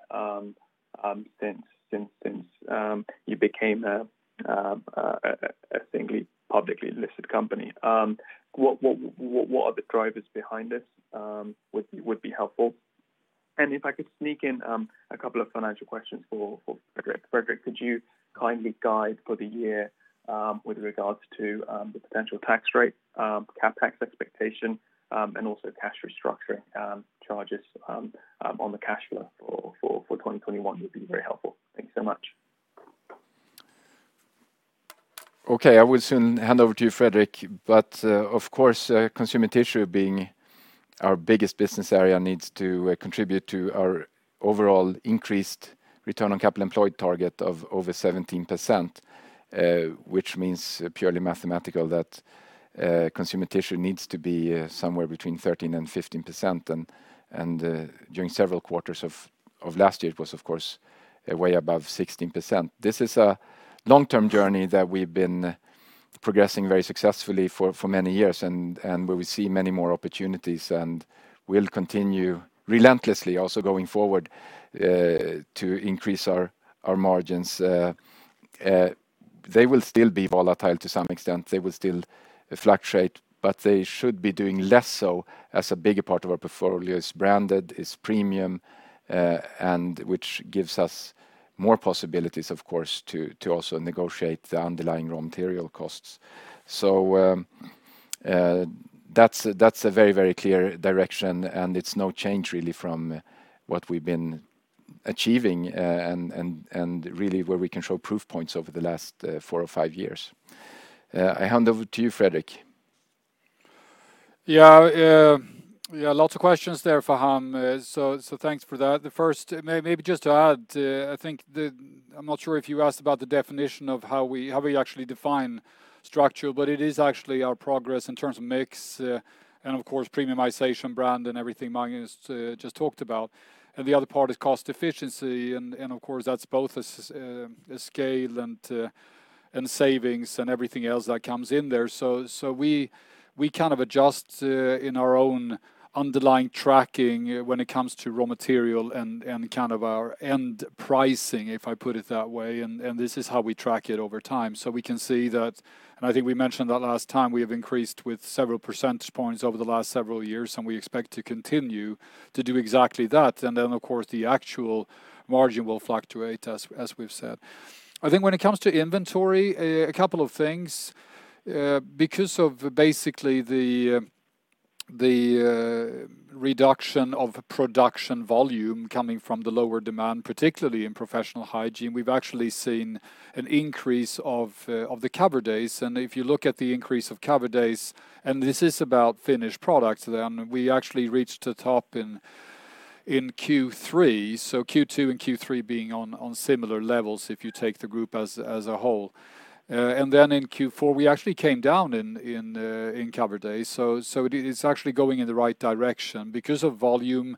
since you became a single publicly listed company. What are the drivers behind this would be helpful. If I could sneak in a couple of financial questions for Fredrik. Fredrik, could you kindly guide for the year with regards to the potential tax rate, CapEx expectation, and also cash restructuring charges on the cash flow for 2021 would be very helpful. Thank you so much. Okay. I will soon hand over to you, Fredrik. Of course, Consumer Tissue being our biggest business area needs to contribute to our overall increased return on capital employed target of over 17%, which means purely mathematical that Consumer Tissue needs to be somewhere between 13% and 15%. During several quarters of last year, it was of course way above 16%. This is a long-term journey that we've been progressing very successfully for many years and where we see many more opportunities, and we'll continue relentlessly also going forward to increase our margins. They will still be volatile to some extent. They will still fluctuate, but they should be doing less so as a bigger part of our portfolio is branded, is premium, and which gives us more possibilities, of course, to also negotiate the underlying raw material costs. That's a very clear direction, and it's no change really from what we've been achieving and really where we can show proof points over the last four or five years. I hand over to you, Fredrik. Yeah. Yeah, lots of questions there, Faham. Thanks for that. The first, maybe just to add, I am not sure if you asked about the definition of how we actually define structure, but it is actually our progress in terms of mix, and of course, premiumization brand and everything Magnus just talked about. The other part is cost efficiency, and of course, that is both a scale and savings and everything else that comes in there. We kind of adjust in our own underlying tracking when it comes to raw material and kind of our end pricing, if I put it that way, and this is how we track it over time. We can see that, and I think I mentioned that last time, we have increased with several percentage points over the last several years, and we expect to continue to do exactly that. Of course, the actual margin will fluctuate as we've said. I think when it comes to inventory, a couple of things. Because of basically the reduction of production volume coming from the lower demand, particularly in Professional Hygiene, we've actually seen an increase of the cover days. If you look at the increase of cover days, and this is about finished product, then we actually reached the top in Q3. Q2 and Q3 being on similar levels if you take the group as a whole. In Q4, we actually came down in cover days. It's actually going in the right direction because of volume,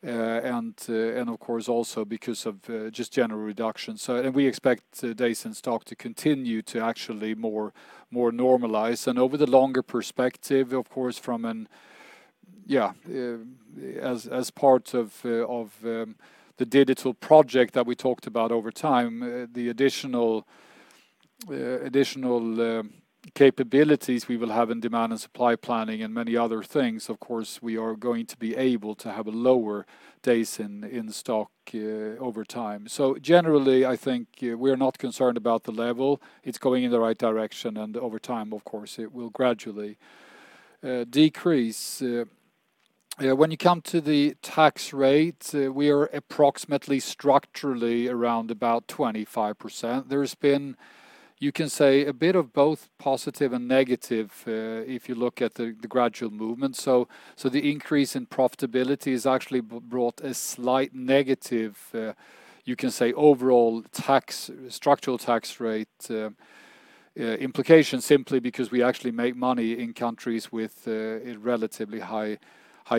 and of course, also because of just general reduction. We expect days in stock to continue to actually more normalize. Over the longer perspective, of course, as part of the digital project that we talked about over time, the additional capabilities we will have in demand and supply planning and many other things, of course, we are going to be able to have a lower days in stock over time. Generally, I think we're not concerned about the level. It's going in the right direction, and over time, of course, it will gradually decrease. When you come to the tax rate, we are approximately structurally around about 25%. There's been, you can say, a bit of both positive and negative, if you look at the gradual movement. The increase in profitability has actually brought a slight negative, you can say, overall structural tax rate implication simply because we actually make money in countries with a relatively high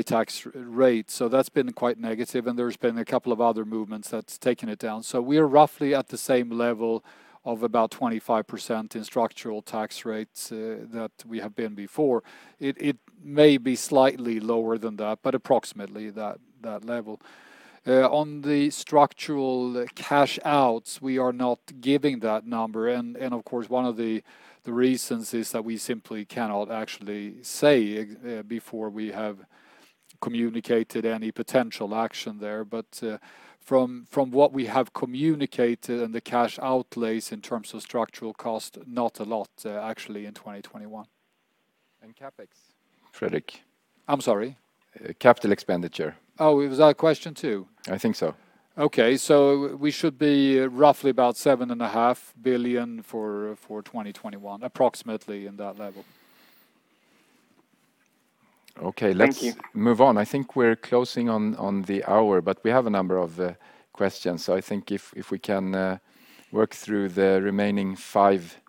tax rate. That's been quite negative, and there's been a couple of other movements that's taken it down. We are roughly at the same level of about 25% in structural tax rates that we have been before. It may be slightly lower than that, but approximately that level. On the structural cash outs, we are not giving that number, and of course, one of the reasons is that we simply cannot actually say before we have communicated any potential action there. From what we have communicated and the cash outlays in terms of structural cost, not a lot actually in 2021. CapEx, Fredrik? I'm sorry? Capital expenditure. Oh, was that a question, too? I think so. Okay. We should be roughly about 7.5 billion For 2021, approximately in that level. Okay. Thank you. Let's move on. I think we're closing on the hour, but we have a number of questions. I think if we can work through the remaining five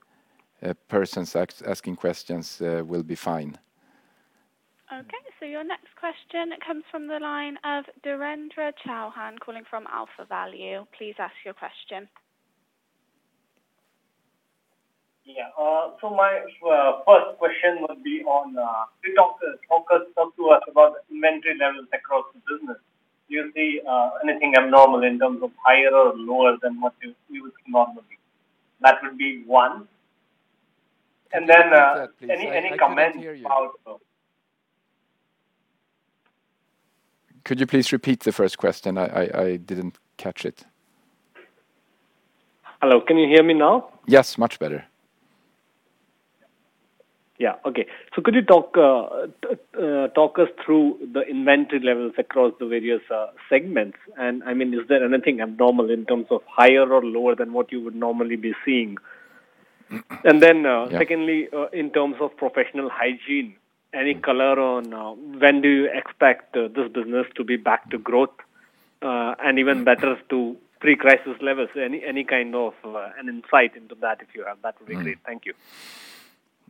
persons asking questions, we'll be fine. Okay. Your next question comes from the line of Virendra Chauhan calling from AlphaValue. Please ask your question. Yeah. My first question, could you talk to us about inventory levels across the business? Do you see anything abnormal in terms of higher or lower than what you would see normally? That would be one. Could you repeat that, please? I couldn't hear you. Any comments about the- Could you please repeat the first question? I didn't catch it. Hello, can you hear me now? Yes, much better. Yeah. Okay. Could you talk us through the inventory levels across the various segments? I mean, is there anything abnormal in terms of higher or lower than what you would normally be seeing? Yeah. Secondly, in terms of Professional Hygiene, any color on when do you expect this business to be back to growth? And even better to pre-crisis levels? Any kind of an insight into that if you have that would be great. Thank you.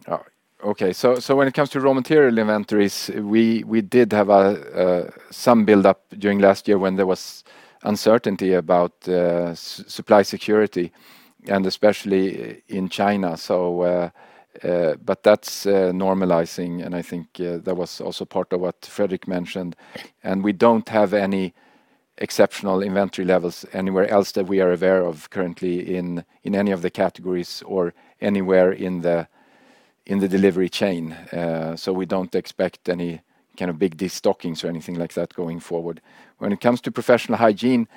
All right. Okay. When it comes to raw material inventories, we did have some buildup during last year when there was uncertainty about supply security, especially in China. That's normalizing, and I think that was also part of what Fredrik mentioned. We don't have any exceptional inventory levels anywhere else that we are aware of currently in any of the categories or anywhere in the delivery chain. We don't expect any kind of big destockings or anything like that going forward. When it comes to Professional Hygiene,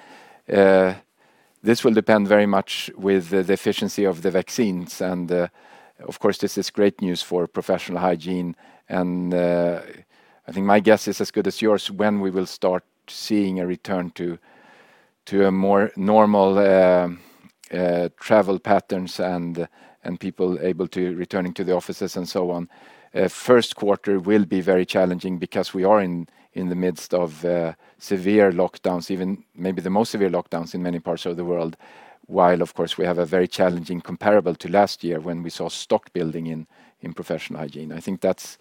this will depend very much with the efficiency of the vaccines. Of course, this is great news for Professional Hygiene. I think my guess is as good as yours when we will start seeing a return to a more normal travel patterns and people able to returning to the offices and so on. First quarter will be very challenging because we are in the midst of severe lockdowns, even maybe the most severe lockdowns in many parts of the world. Of course, we have a very challenging comparable to last year when we saw stock building in Professional Hygiene. I think that's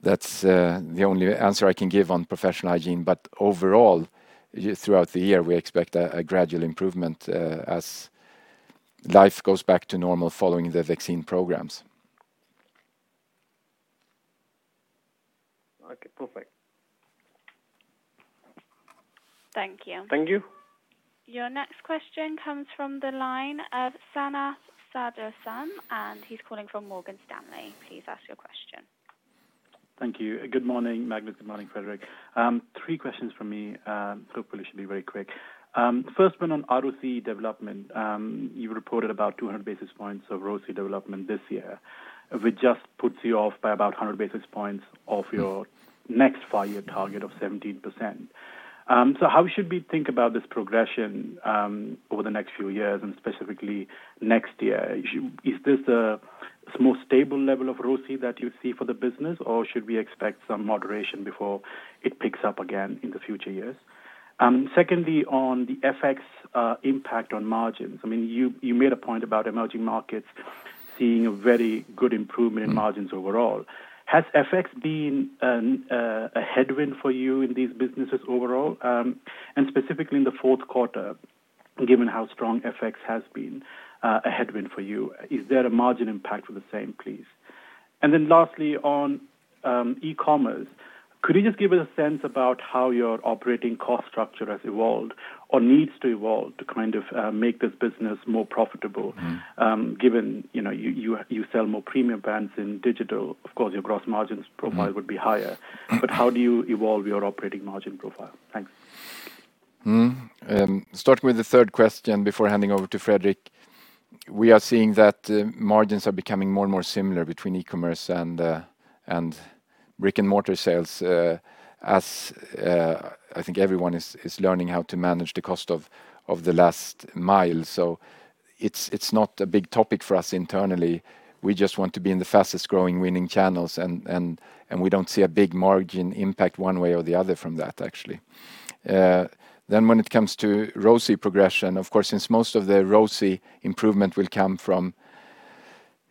the only answer I can give on Professional Hygiene. Overall, throughout the year, we expect a gradual improvement as life goes back to normal following the vaccine programs. Okay, perfect. Thank you. Thank you. Your next question comes from the line of Sanath Sudarsan, he's calling from Morgan Stanley. Please ask your question. Thank you. Good morning, Magnus. Good morning, Fredrik. Three questions from me. Hopefully should be very quick. First one on ROCE development. You reported about 200 basis points of ROCE development this year, which just puts you off by about 100 basis points of your next five-year target of 17%. How should we think about this progression over the next few years and specifically next year? Is this a more stable level of ROCE that you see for the business, or should we expect some moderation before it picks up again in the future years? Secondly, on the FX impact on margins. You made a point about emerging markets seeing a very good improvement in margins overall. Has FX been a headwind for you in these businesses overall? Specifically in the fourth quarter, given how strong FX has been a headwind for you, is there a margin impact for the same, please? Lastly, on e-commerce, could you just give us a sense about how your operating cost structure has evolved or needs to evolve to make this business more profitable? Given you sell more premium brands in digital, of course your gross margins profile would be higher. How do you evolve your operating margin profile? Thanks. Starting with the third question before handing over to Fredrik. We are seeing that margins are becoming more and more similar between e-commerce and brick-and-mortar sales, as I think everyone is learning how to manage the cost of the last mile. It's not a big topic for us internally. We just want to be in the fastest-growing winning channels, and we don't see a big margin impact one way or the other from that, actually. When it comes to ROCE progression, of course, since most of the ROCE improvement will come from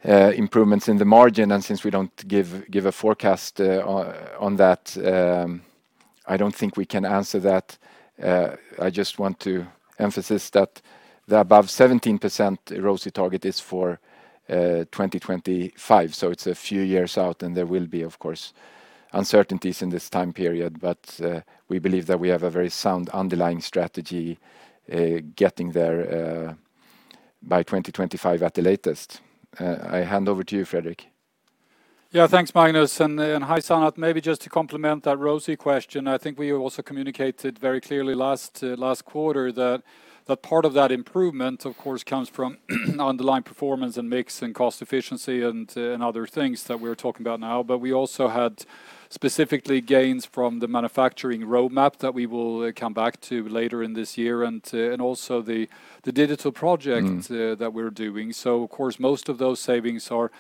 improvements in the margin, and since we don't give a forecast on that, I don't think we can answer that. I just want to emphasize that the above 17% ROCE target is for 2025. It's a few years out, and there will be, of course, uncertainties in this time period. We believe that we have a very sound underlying strategy getting there by 2025 at the latest. I hand over to you, Fredrik. Thanks, Magnus, and hi, Sanath. Maybe just to complement that ROCE question, I think we also communicated very clearly last quarter that part of that improvement, of course, comes from underlying performance and mix and cost efficiency and other things that we're talking about now. We also had specifically gains from the manufacturing roadmap that we will come back to later in this year, and also the digital project that we're doing. Of course, most of those savings are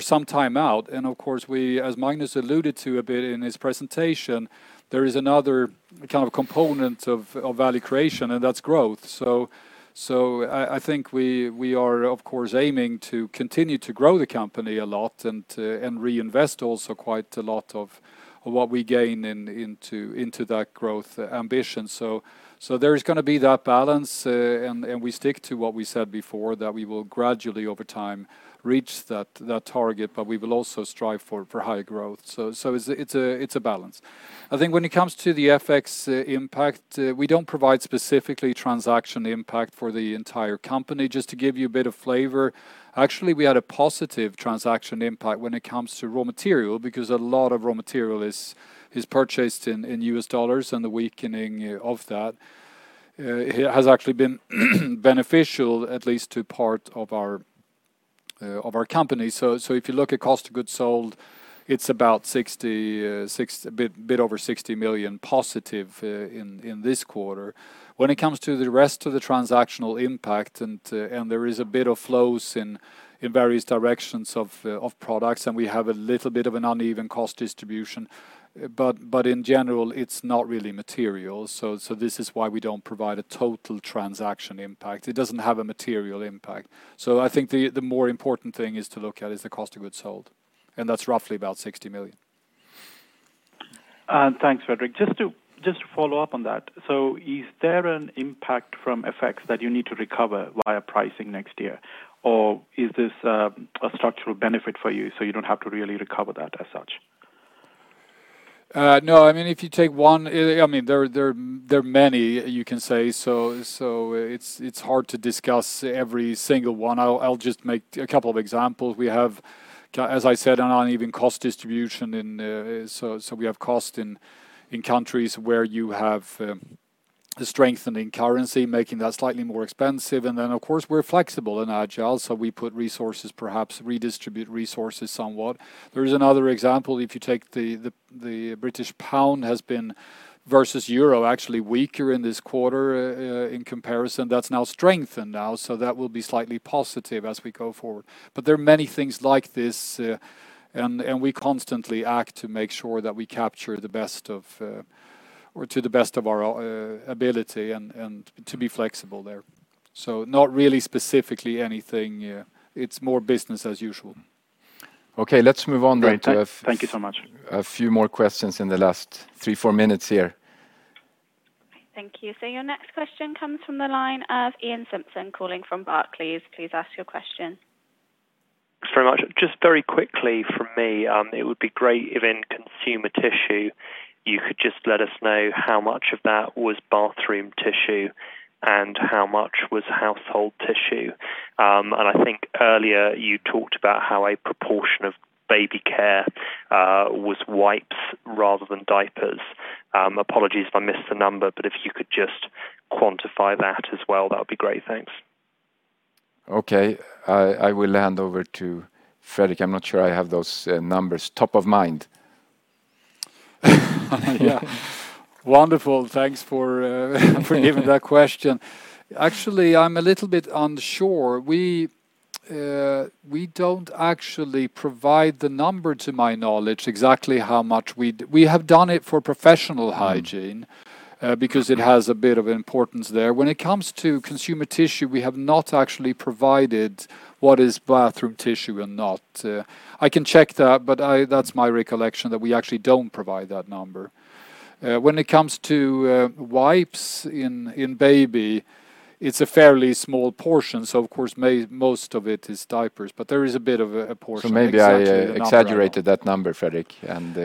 some time out. Of course, as Magnus alluded to a bit in his presentation, there is another component of value creation, and that's growth. I think we are, of course, aiming to continue to grow the company a lot and reinvest also quite a lot of what we gain into that growth ambition. There's going to be that balance, and we stick to what we said before that we will gradually over time reach that target, but we will also strive for high growth. It's a balance. I think when it comes to the FX impact, we don't provide specifically transaction impact for the entire company. Just to give you a bit of flavor, actually, we had a positive transaction impact when it comes to raw material because a lot of raw material is purchased in US dollars and the weakening of that has actually been beneficial at least to part of our company. If you look at cost of goods sold, it's a bit over 60 million positive in this quarter. When it comes to the rest of the transactional impact, there is a bit of flows in various directions of products, and we have a little bit of an uneven cost distribution. In general, it's not really material. This is why we don't provide a total transaction impact. It doesn't have a material impact. I think the more important thing is to look at is the cost of goods sold, and that's roughly about 60 million. Thanks, Fredrik. Just to follow up on that. Is there an impact from FX that you need to recover via pricing next year? Or is this a structural benefit for you, so you don't have to really recover that as such? No. There are many you can say, so it's hard to discuss every single one. I'll just make a couple of examples. We have, as I said, an uneven cost distribution, so we have cost in countries where you have the strengthening currency, making that slightly more expensive. Of course, we're flexible and agile, so we put resources, perhaps redistribute resources somewhat. There is another example. If you take the British pound has been versus euro, actually weaker in this quarter in comparison. That's now strengthened now, so that will be slightly positive as we go forward. There are many things like this, and we constantly act to make sure that we capture to the best of our ability and to be flexible there. Not really specifically anything. It's more business as usual. Okay, let's move on then to- Great. Thank you so much. A few more questions in the last three, four minutes here. Thank you. Your next question comes from the line of Iain Simpson calling from Barclays. Please ask your question. Thanks very much. Just very quickly from me. It would be great if in Consumer Tissue, you could just let us know how much of that was bathroom tissue and how much was household tissue. I think earlier you talked about how a proportion of Baby Care was wipes rather than diapers. Apologies if I missed the number, if you could just quantify that as well, that would be great. Thanks. Okay. I will hand over to Fredrik. I'm not sure I have those numbers top of mind. Yeah. Wonderful. Thanks for giving that question. Actually, I'm a little bit unsure. We do not actually provide the number, to my knowledge, exactly how much. We have done it for Professional Hygiene because it has a bit of importance there. When it comes to Consumer Tissue, we have not actually provided what is bathroom tissue and not. I can check that, but that is my recollection, that we actually do not provide that number. When it comes to wipes in Baby, it is a fairly small portion, so of course, most of it is diapers, but there is a bit of a portion. Maybe I exaggerated that number, Fredrik.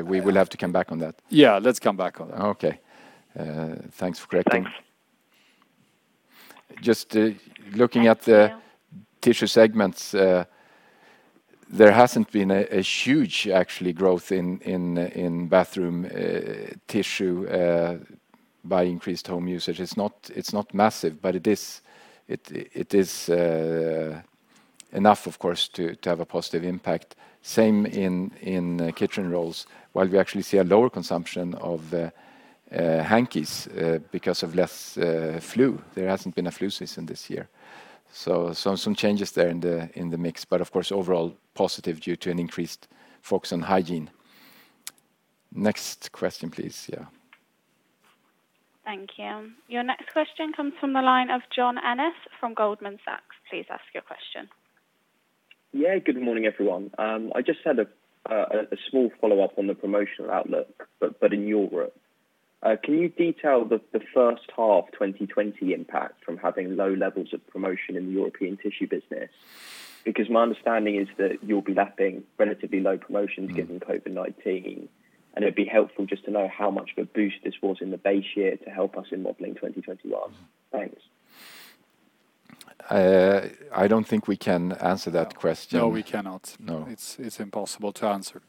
We will have to come back on that. Yeah, let's come back on that. Okay. Thanks for correcting. Thanks. Just looking at the tissue segments, there hasn't been a huge actually growth in bathroom tissue by increased home usage. It's not massive, but it is enough, of course, to have a positive impact. Same in kitchen rolls. We actually see a lower consumption of hankies because of less flu. There hasn't been a flu season this year. Some changes there in the mix, but of course, overall positive due to an increased focus on hygiene. Next question, please. Yeah. Thank you. Your next question comes from the line of John Ennis from Goldman Sachs. Please ask your question. Yeah, good morning, everyone. I just had a small follow-up on the promotional outlook, but in your group. Can you detail the first half 2020 impact from having low levels of promotion in the European tissue business? My understanding is that you'll be lapping relatively low promotions given COVID-19, and it'd be helpful just to know how much of a boost this was in the base year to help us in modeling 2021. Thanks. I don't think we can answer that question. No, we cannot. No. It's impossible to answer.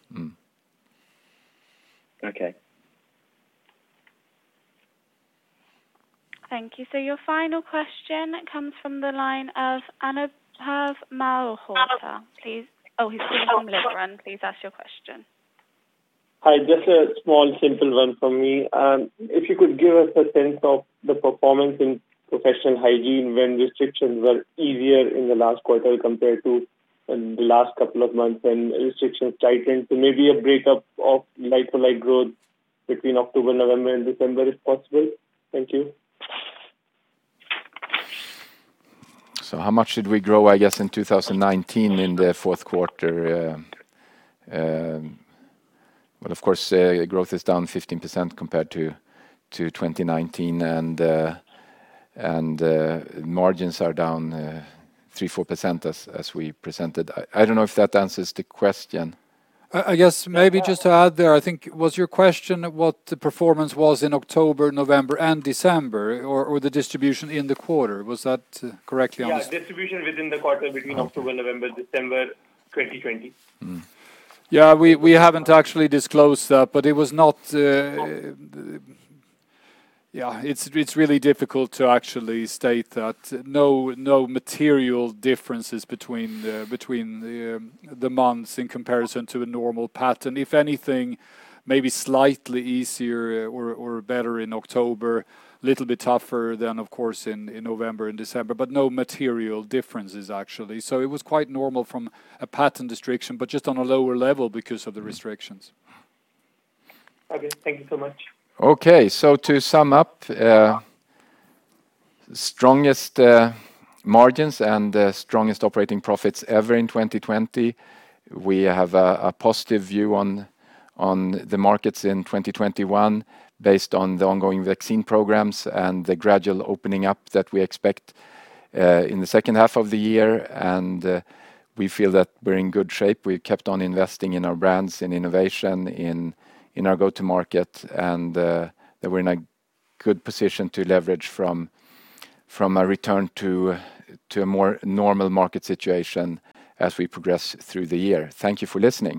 Okay. Thank you. Your final question comes from the line of Anubhav Malhotra. Please Oh, he's still on the line. Please ask your question. Hi. Just a small, simple one from me. If you could give us a sense of the performance in Professional Hygiene when restrictions were easier in the last quarter compared to the last couple of months when restrictions tightened. Maybe a breakup of like-to-like growth between October, November and December, if possible. Thank you. How much did we grow, I guess, in 2019 in the fourth quarter? Well, of course, growth is down 15% compared to 2019, and margins are down 3%, 4% as we presented. I don't know if that answers the question. I guess maybe just to add there, I think was your question what the performance was in October, November and December, or the distribution in the quarter? Was that correct? Yeah, distribution within the quarter between October, November, December 2020. Yeah. We haven't actually disclosed that, but it was not, it's really difficult to actually state that. No material differences between the months in comparison to a normal pattern. If anything, maybe slightly easier or better in October. Little bit tougher then, of course, in November and December. No material differences, actually. It was quite normal from a pattern restriction, but just on a lower level because of the restrictions. Okay. Thank you so much. Okay, to sum up, strongest margins and strongest operating profits ever in 2020. We have a positive view on the markets in 2021 based on the ongoing vaccine programs and the gradual opening up that we expect in the second half of the year. We feel that we're in good shape. We've kept on investing in our brands, in innovation, in our go to market, and that we're in a good position to leverage from a return to a more normal market situation as we progress through the year. Thank you for listening.